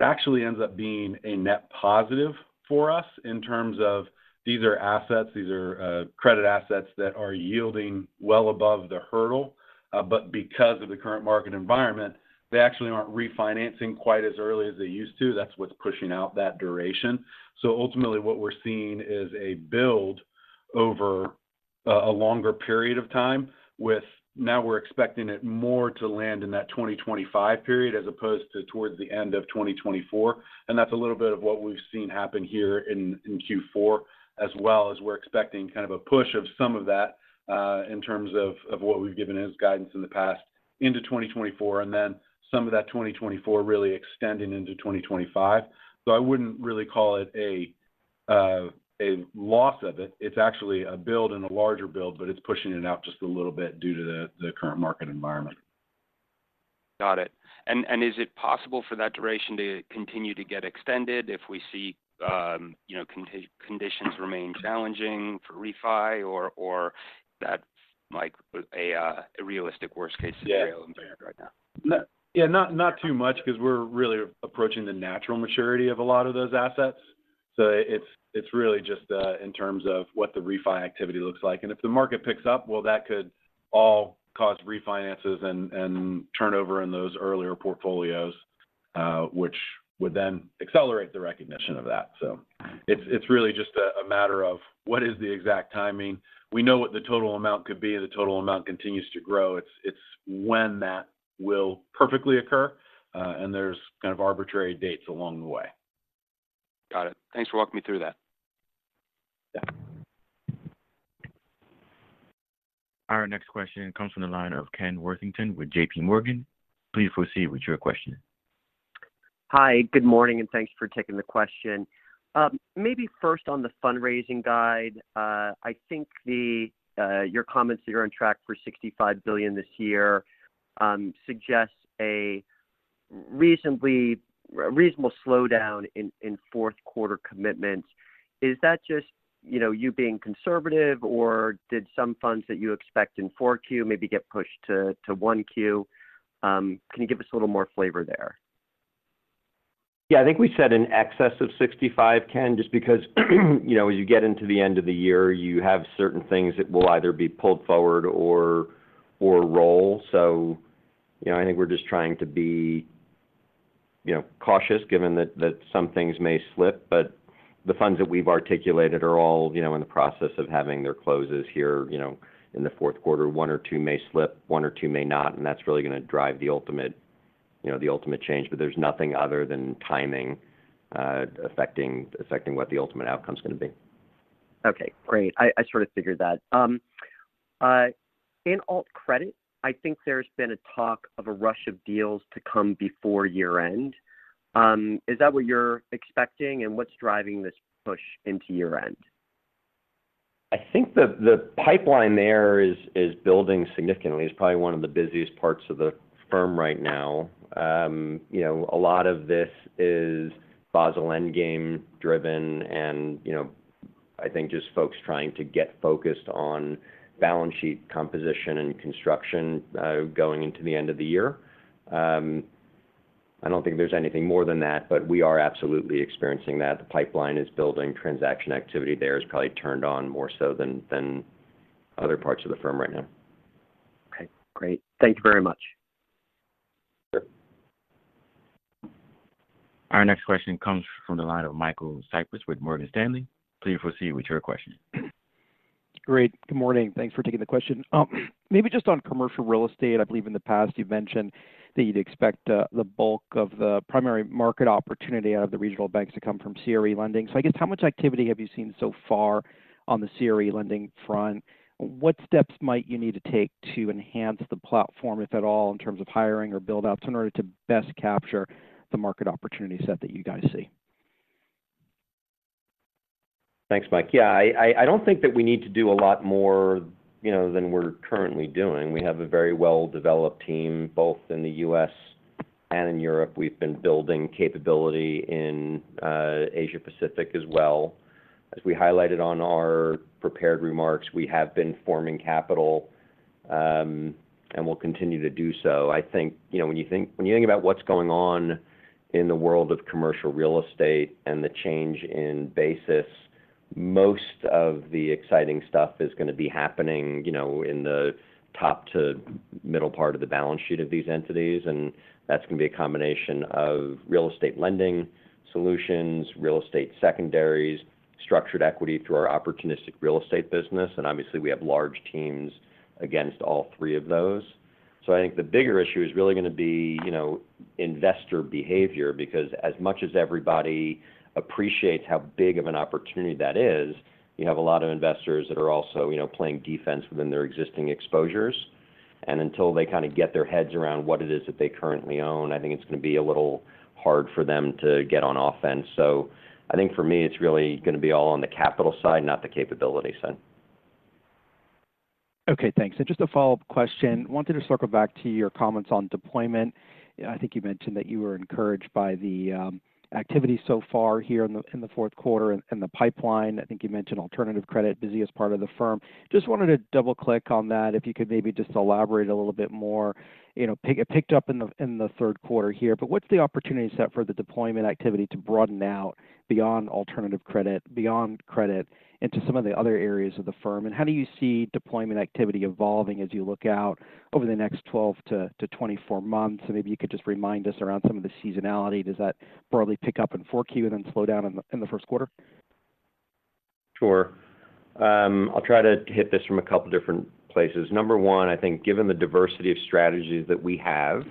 Actually ends up being a net positive for us in terms of these are assets, these are, credit assets that are yielding well above the hurdle. But because of the current market environment, they actually aren't refinancing quite as early as they used to. That's what's pushing out that duration. So ultimately, what we're seeing is a build over a longer period of time, with now we're expecting it more to land in that 2025 period, as opposed to towards the end of 2024. And that's a little bit of what we've seen happen here in Q4, as well as we're expecting kind of a push of some of that in terms of what we've given as guidance in the past into 2024, and then some of that 2024 really extending into 2025. So I wouldn't really call it a loss of it. It's actually a build and a larger build, but it's pushing it out just a little bit due to the current market environment. Got it. And is it possible for that duration to continue to get extended if we see, you know, conditions remain challenging for refi, or that's, like, a realistic worst-case scenario- Yeah -right now? Yeah, not, not too much, because we're really approaching the natural maturity of a lot of those assets. So it's, it's really just in terms of what the refi activity looks like. And if the market picks up, well, that could all cause refinances and turnover in those earlier portfolios.... which would then accelerate the recognition of that. So it's really just a matter of what is the exact timing. We know what the total amount could be, and the total amount continues to grow. It's when that will perfectly occur, and there's kind of arbitrary dates along the way. Got it. Thanks for walking me through that. Yeah. Our next question comes from the line of Ken Worthington with JP Morgan. Please proceed with your question. Hi, good morning, and thanks for taking the question. Maybe first on the fundraising guidance, I think your comments that you're on track for $65 billion this year suggests a reasonable slowdown in fourth quarter commitments. Is that just, you know, you being conservative, or did some funds that you expect in 4Q maybe get pushed to 1Q? Can you give us a little more flavor there? Yeah, I think we said in excess of 65, Ken, just because, you know, as you get into the end of the year, you have certain things that will either be pulled forward or roll. So, you know, I think we're just trying to be, you know, cautious given that some things may slip. But the funds that we've articulated are all, you know, in the process of having their closes here, you know, in the fourth quarter. One or two may slip, one or two may not, and that's really gonna drive the ultimate, you know, the ultimate change. But there's nothing other than timing, affecting what the ultimate outcome is gonna be. Okay, great. I sort of figured that. In alt credit, I think there's been a talk of a rush of deals to come before year-end. Is that what you're expecting, and what's driving this push into year-end? I think the pipeline there is building significantly. It's probably one of the busiest parts of the firm right now. You know, a lot of this is Basel Endgame driven and, you know, I think just folks trying to get focused on balance sheet composition and construction, going into the end of the year. I don't think there's anything more than that, but we are absolutely experiencing that. The pipeline is building. Transaction activity there is probably turned on more so than other parts of the firm right now. Okay, great. Thank you very much. Sure. Our next question comes from the line of Michael Cyprys with Morgan Stanley. Please proceed with your question. Great. Good morning. Thanks for taking the question. Maybe just on commercial real estate, I believe in the past you've mentioned that you'd expect, the bulk of the primary market opportunity out of the regional banks to come from CRE lending. So I guess, how much activity have you seen so far on the CRE lending front? What steps might you need to take to enhance the platform, if at all, in terms of hiring or build outs, in order to best capture the market opportunity set that you guys see? Thanks, Mike. Yeah, I don't think that we need to do a lot more, you know, than we're currently doing. We have a very well-developed team, both in the U.S. and in Europe. We've been building capability in Asia Pacific as well. As we highlighted on our prepared remarks, we have been forming capital, and we'll continue to do so. I think, you know, when you think about what's going on in the world of commercial real estate and the change in basis, most of the exciting stuff is gonna be happening, you know, in the top to middle part of the balance sheet of these entities, and that's gonna be a combination of real estate lending solutions, real estate secondaries, structured equity through our opportunistic real estate business, and obviously, we have large teams against all three of those. So I think the bigger issue is really gonna be, you know, investor behavior, because as much as everybody appreciates how big of an opportunity that is, you have a lot of investors that are also, you know, playing defense within their existing exposures. And until they kind of get their heads around what it is that they currently own, I think it's gonna be a little hard for them to get on offense. So I think for me, it's really gonna be all on the capital side, not the capability side. Okay, thanks. So just a follow-up question. Wanted to circle back to your comments on deployment. I think you mentioned that you were encouraged by the activity so far here in the fourth quarter and the pipeline. I think you mentioned alternative credit, busiest part of the firm. Just wanted to double-click on that, if you could maybe just elaborate a little bit more. You know, it picked up in the third quarter here, but what's the opportunity set for the deployment activity to broaden out beyond alternative credit, beyond credit, into some of the other areas of the firm? And how do you see deployment activity evolving as you look out over the next 12-24 months? And maybe you could just remind us around some of the seasonality. Does that broadly pick up in Q4 and then slow down in the first quarter? Sure. I'll try to hit this from a couple different places. Number one, I think given the diversity of strategies that we have,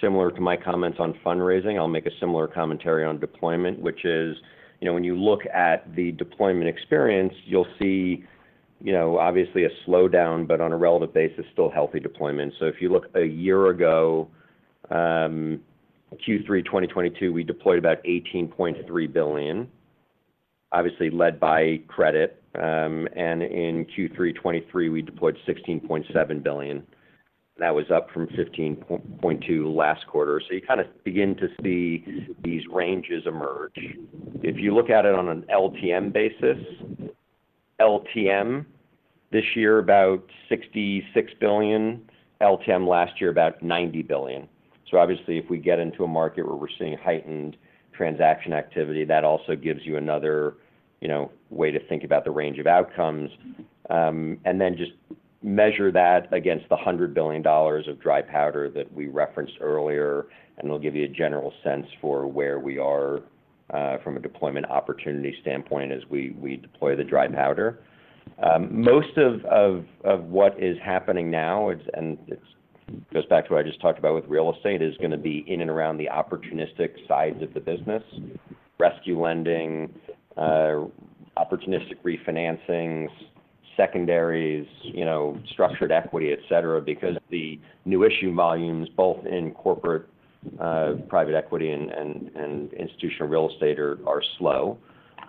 similar to my comments on fundraising, I'll make a similar commentary on deployment, which is, you know, when you look at the deployment experience, you'll see, you know, obviously a slowdown, but on a relative basis, still healthy deployment. So if you look a year ago, Q3 2022, we deployed about $18.3 billion, obviously led by credit. And in Q3 2023, we deployed $16.7 billion, and that was up from $15.2 billion last quarter. So you kind of begin to see these ranges emerge. If you look at it on an LTM basis, LTM this year, about $66 billion. LTM last year, about $90 billion. So obviously, if we get into a market where we're seeing heightened transaction activity, that also gives you another, you know, way to think about the range of outcomes. And then just measure that against the $100 billion of dry powder that we referenced earlier, and it'll give you a general sense for where we are, from a deployment opportunity standpoint as we deploy the dry powder. Most of what is happening now, and it goes back to what I just talked about with real estate, is gonna be in and around the opportunistic sides of the business: rescue lending, opportunistic refinancings, secondaries, you know, structured equity, et cetera, because the new issue volumes, both in corporate private equity and institutional real estate are slow.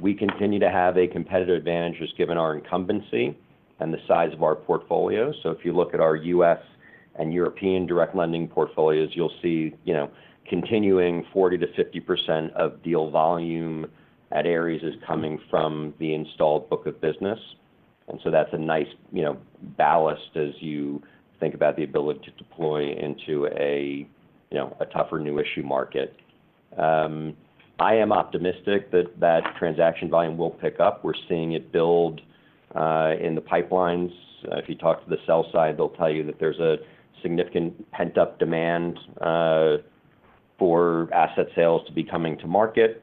We continue to have a competitive advantage, just given our incumbency and the size of our portfolio. So if you look at our U.S. and European direct lending portfolios, you'll see, you know, continuing 40%-50% of deal volume at Ares is coming from the installed book of business. And so that's a nice, you know, ballast as you think about the ability to deploy into a, you know, a tougher new issue market. I am optimistic that that transaction volume will pick up. We're seeing it build in the pipelines. If you talk to the sell side, they'll tell you that there's a significant pent-up demand for asset sales to be coming to market.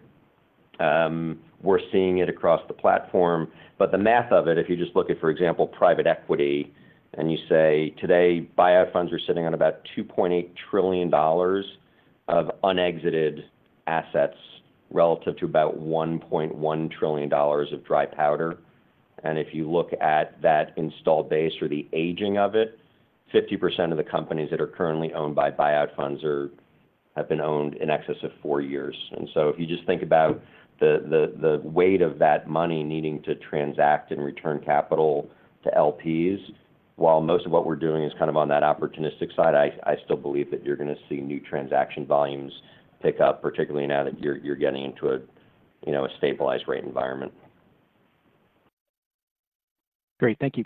We're seeing it across the platform. But the math of it, if you just look at, for example, private equity, and you say, today, buyout funds are sitting on about $2.8 trillion of unexited assets relative to about $1.1 trillion of dry powder. And if you look at that installed base or the aging of it, 50% of the companies that are currently owned by buyout funds are, have been owned in excess of four years. And so if you just think about the weight of that money needing to transact and return capital to LPs, while most of what we're doing is kind of on that opportunistic side, I still believe that you're gonna see new transaction volumes pick up, particularly now that you're getting into a, you know, a stabilized rate environment. Great. Thank you.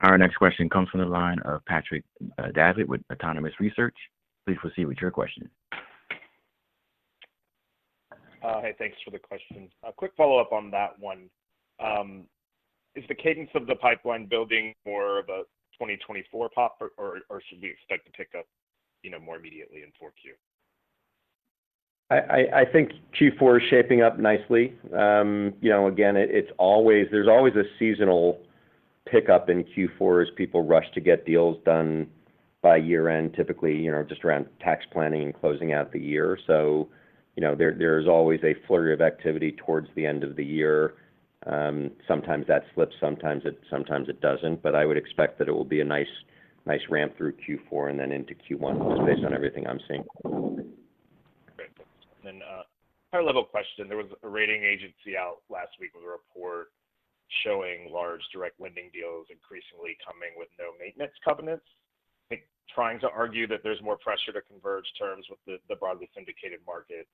Our next question comes from the line of Patrick Davitt with Autonomous Research. Please proceed with your question. Hey, thanks for the questions. A quick follow-up on that one. Is the cadence of the pipeline building more of a 2024 pop, or, or should we expect to pick up, you know, more immediately in 4Q? I think Q4 is shaping up nicely. You know, again, it's always, there's always a seasonal pickup in Q4 as people rush to get deals done by year-end, typically, you know, just around tax planning and closing out the year. So, you know, there is always a flurry of activity towards the end of the year. Sometimes that slips, sometimes it doesn't. But I would expect that it will be a nice, nice ramp through Q4 and then into Q1, just based on everything I'm seeing. Great. Then, high-level question: There was a rating agency out last week with a report showing large direct lending deals increasingly coming with no maintenance covenants, I think trying to argue that there's more pressure to converge terms with the, the broadly syndicated market.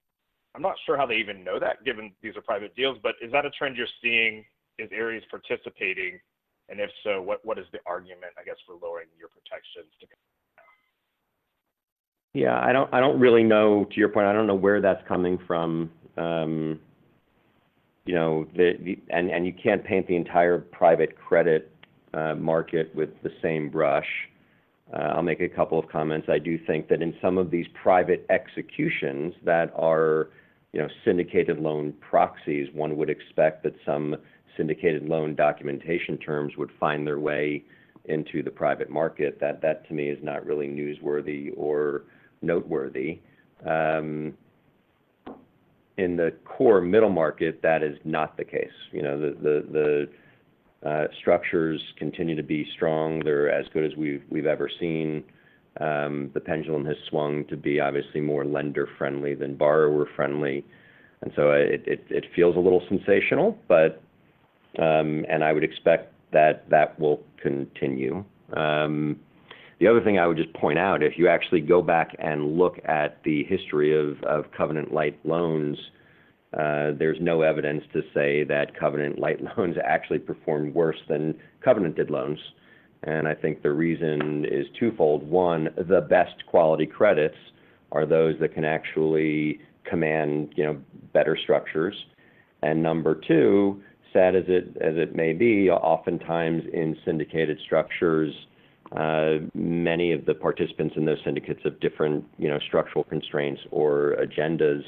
I'm not sure how they even know that, given these are private deals, but is that a trend you're seeing? Is Ares participating, and if so, what, what is the argument, I guess, for lowering your protections to...? Yeah, I don't really know. To your point, I don't know where that's coming from. You know, you can't paint the entire private credit market with the same brush. I'll make a couple of comments. I do think that in some of these private executions that are, you know, syndicated loan proxies, one would expect that some syndicated loan documentation terms would find their way into the private market. That, to me, is not really newsworthy or noteworthy. In the core middle market, that is not the case. You know, the structures continue to be strong. They're as good as we've ever seen. The pendulum has swung to be obviously more lender-friendly than borrower-friendly, and so it feels a little sensational, but... and I would expect that that will continue. The other thing I would just point out, if you actually go back and look at the history of covenant-light loans, there's no evidence to say that covenant-light loans actually performed worse than covenanted loans. And I think the reason is twofold: one, the best quality credits are those that can actually command, you know, better structures. And number two, sad as it may be, oftentimes in syndicated structures, many of the participants in those syndicates have different, you know, structural constraints or agendas,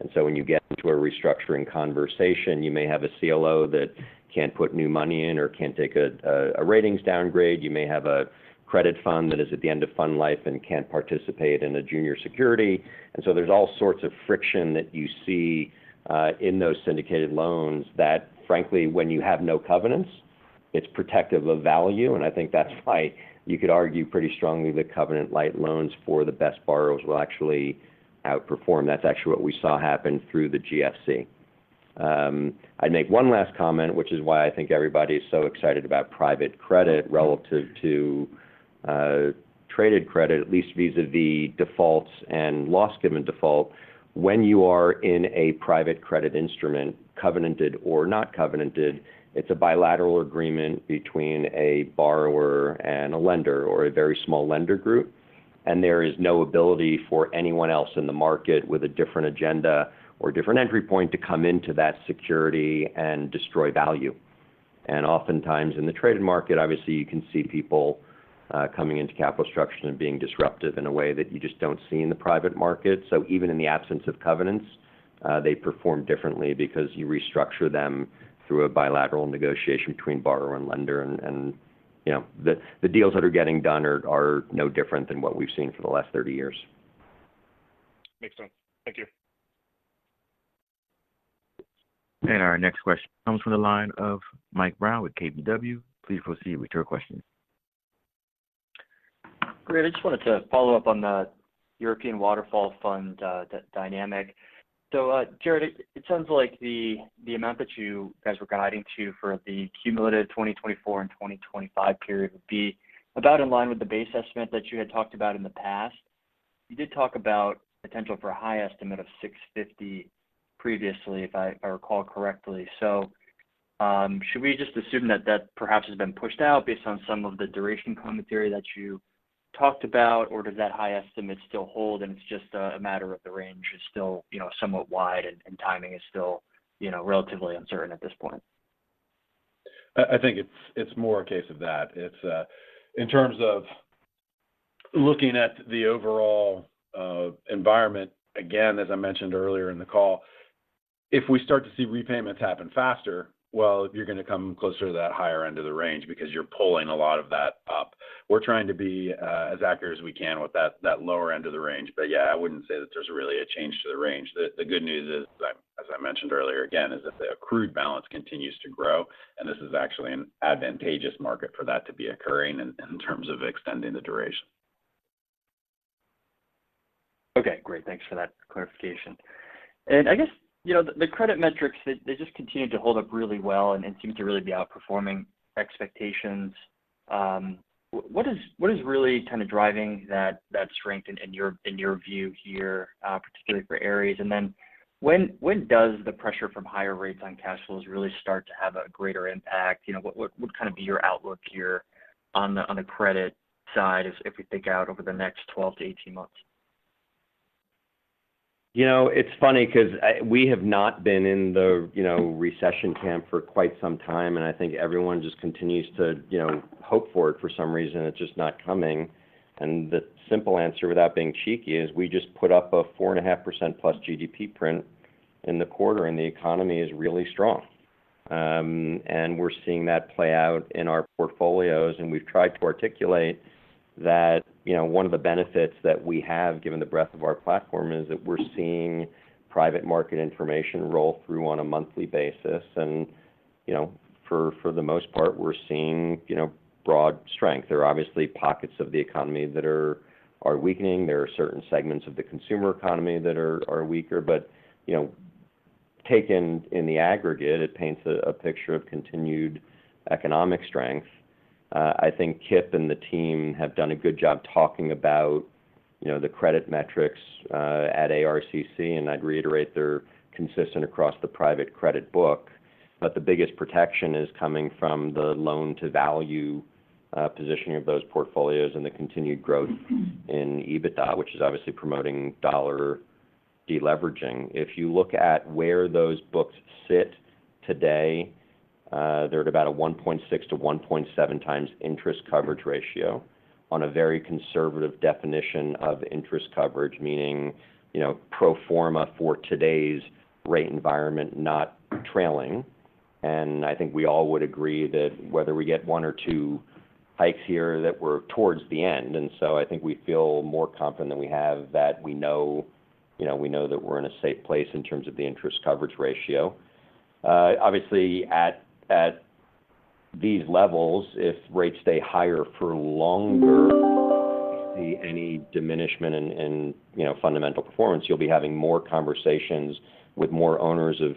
and so when you get into a restructuring conversation, you may have a CLO that can't put new money in or can't take a ratings downgrade. You may have a credit fund that is at the end of fund life and can't participate in a junior security. And so there's all sorts of friction that you see in those syndicated loans that, frankly, when you have no covenants, it's protective of value, and I think that's why you could argue pretty strongly that covenant-light loans for the best borrowers will actually outperform. That's actually what we saw happen through the GFC. I'd make one last comment, which is why I think everybody is so excited about private credit relative to traded credit, at least vis-à-vis defaults and loss given default. When you are in a private credit instrument, covenanted or not covenanted, it's a bilateral agreement between a borrower and a lender or a very small lender group, and there is no ability for anyone else in the market with a different agenda or different entry point to come into that security and destroy value. Oftentimes in the traded market, obviously, you can see people coming into capital structure and being disruptive in a way that you just don't see in the private market. So even in the absence of covenants, they perform differently because you restructure them through a bilateral negotiation between borrower and lender. And, you know, the deals that are getting done are no different than what we've seen for the last 30 years. Makes sense. Thank you. Our next question comes from the line of Mike Brown with KBW. Please proceed with your question. Great. I just wanted to follow up on the European waterfall fund dynamic. So, Jarrod, it sounds like the amount that you guys were guiding to for the cumulative 2024 and 2025 period would be about in line with the base estimate that you had talked about in the past. You did talk about potential for a high estimate of $650 previously, if I recall correctly. So, should we just assume that that perhaps has been pushed out based on some of the duration commentary that you talked about? Or does that high estimate still hold, and it's just a matter of the range is still, you know, somewhat wide and timing is still, you know, relatively uncertain at this point? I think it's more a case of that. It's in terms of looking at the overall environment, again, as I mentioned earlier in the call, if we start to see repayments happen faster, well, you're going to come closer to that higher end of the range because you're pulling a lot of that up. We're trying to be as accurate as we can with that lower end of the range. But yeah, I wouldn't say that there's really a change to the range. The good news is, as I mentioned earlier again, is that the accrued balance continues to grow, and this is actually an advantageous market for that to be occurring in terms of extending the duration. Okay, great. Thanks for that clarification. And I guess, you know, the credit metrics, they just continue to hold up really well and seem to really be outperforming expectations. What is really kind of driving that strength in your view here, particularly for Ares? And then when does the pressure from higher rates on cash flows really start to have a greater impact? You know, what would kind of be your outlook here on the credit side if we think out over the next 12-18 months? You know, it's funny 'cause we have not been in the, you know, recession camp for quite some time, and I think everyone just continues to, you know, hope for it for some reason. It's just not coming. And the simple answer, without being cheeky, is we just put up a 4.5%+ GDP print in the quarter, and the economy is really strong. And we're seeing that play out in our portfolios, and we've tried to articulate that, you know, one of the benefits that we have, given the breadth of our platform, is that we're seeing private market information roll through on a monthly basis. And, you know, for, for the most part, we're seeing, you know, broad strength. There are obviously pockets of the economy that are, are weakening. There are certain segments of the consumer economy that are weaker, but, you know, taken in the aggregate, it paints a picture of continued economic strength. I think Kipp and the team have done a good job talking about, you know, the credit metrics at ARCC, and I'd reiterate they're consistent across the private credit book. But the biggest protection is coming from the loan-to-value positioning of those portfolios and the continued growth in EBITDA, which is obviously promoting dollar deleveraging. If you look at where those books sit today, they're at about a 1.6-1.7 times interest coverage ratio on a very conservative definition of interest coverage, meaning, you know, pro forma for today's rate environment, not trailing. And I think we all would agree that whether we get one or two hikes here, that we're towards the end. And so I think we feel more confident than we have that we know... you know, we know that we're in a safe place in terms of the interest coverage ratio. Obviously, at these levels, if rates stay higher for longer, any diminishment in, you know, fundamental performance, you'll be having more conversations with more owners of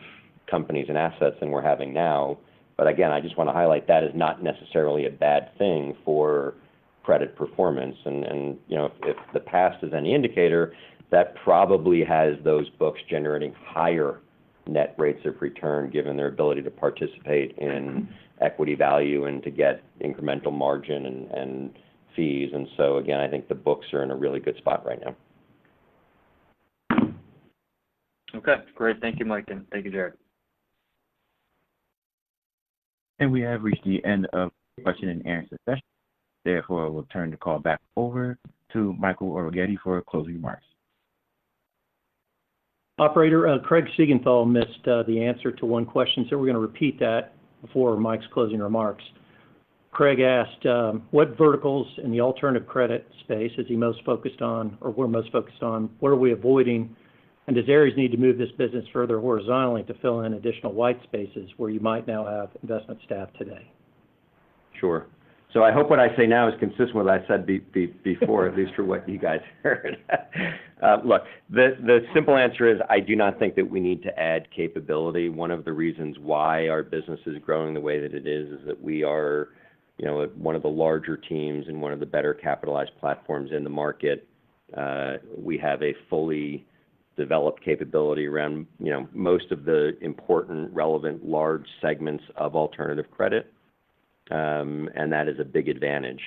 companies and assets than we're having now. But again, I just want to highlight that is not necessarily a bad thing for credit performance. And, and, you know, if the past is any indicator, that probably has those books generating higher net rates of return, given their ability to participate in equity value and to get incremental margin and, and fees. And so again, I think the books are in a really good spot right now. Okay, great. Thank you, Mike, and thank you, Jarrod. We have reached the end of the question and answer session. Therefore, I will turn the call back over to Michael Arougheti for closing remarks. Operator, Craig Siegenthaler missed the answer to one question, so we're going to repeat that before Mike's closing remarks. Craig asked, "What verticals in the alternative credit space is he most focused on or we're most focused on? What are we avoiding? And does Ares need to move this business further horizontally to fill in additional white spaces where you might now have investment staff today? Sure. So I hope what I say now is consistent with what I said before, at least from what you guys heard. Look, the simple answer is I do not think that we need to add capability. One of the reasons why our business is growing the way that it is, is that we are, you know, one of the larger teams and one of the better capitalized platforms in the market. We have a fully developed capability around, you know, most of the important, relevant, large segments of alternative credit. And that is a big advantage.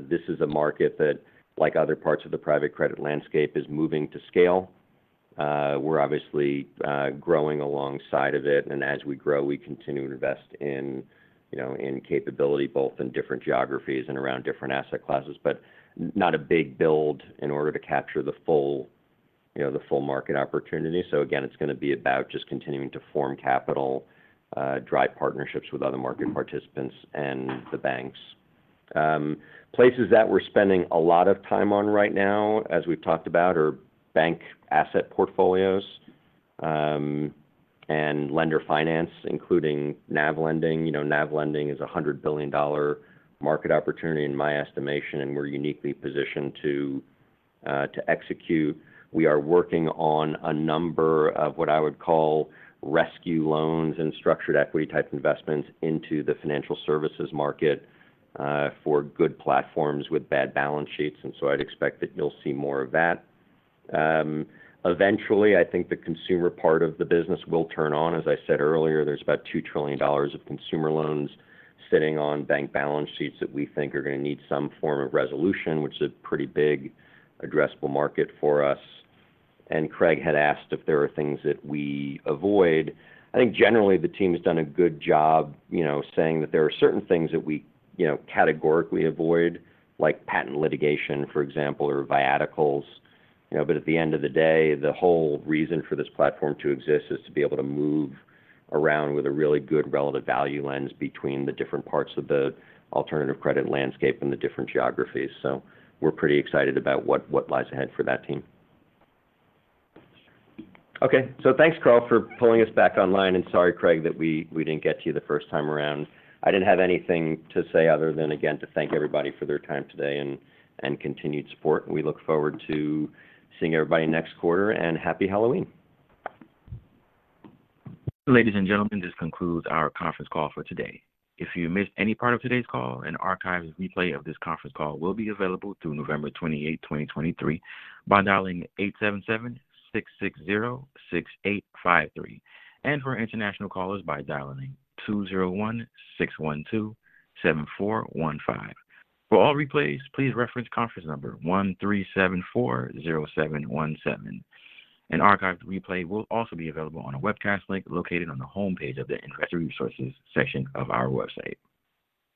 This is a market that, like other parts of the private credit landscape, is moving to scale. We're obviously growing alongside of it, and as we grow, we continue to invest in, you know, in capability, both in different geographies and around different asset classes, but not a big build in order to capture the full, you know, the full market opportunity. So again, it's gonna be about just continuing to form capital, drive partnerships with other market participants and the banks. Places that we're spending a lot of time on right now, as we've talked about, are bank asset portfolios, and lender finance, including NAV lending. You know, NAV lending is a $100 billion market opportunity in my estimation, and we're uniquely positioned to execute. We are working on a number of what I would call rescue loans and structured equity-type investments into the financial services market, for good platforms with bad balance sheets, and so I'd expect that you'll see more of that. Eventually, I think the consumer part of the business will turn on. As I said earlier, there's about $2 trillion of consumer loans sitting on bank balance sheets that we think are gonna need some form of resolution, which is a pretty big addressable market for us. And Craig had asked if there are things that we avoid. I think generally, the team has done a good job, you know, saying that there are certain things that we, you know, categorically avoid, like patent litigation, for example, or viaticals. You know, but at the end of the day, the whole reason for this platform to exist is to be able to move around with a really good relative value lens between the different parts of the alternative credit landscape and the different geographies. So we're pretty excited about what, what lies ahead for that team. Okay. So thanks, Carl, for pulling us back online, and sorry, Craig, that we, we didn't get to you the first time around. I didn't have anything to say other than, again, to thank everybody for their time today and, and continued support. We look forward to seeing everybody next quarter, and Happy Halloween. Ladies and gentlemen, this concludes our conference call for today. If you missed any part of today's call, an archived replay of this conference call will be available through November 28, 2023, by dialing 877-660-6853, and for international callers by dialing 201-612-7415. For all replays, please reference conference number 13740717. An archived replay will also be available on a webcast link located on the homepage of the Investor Resources section of our website.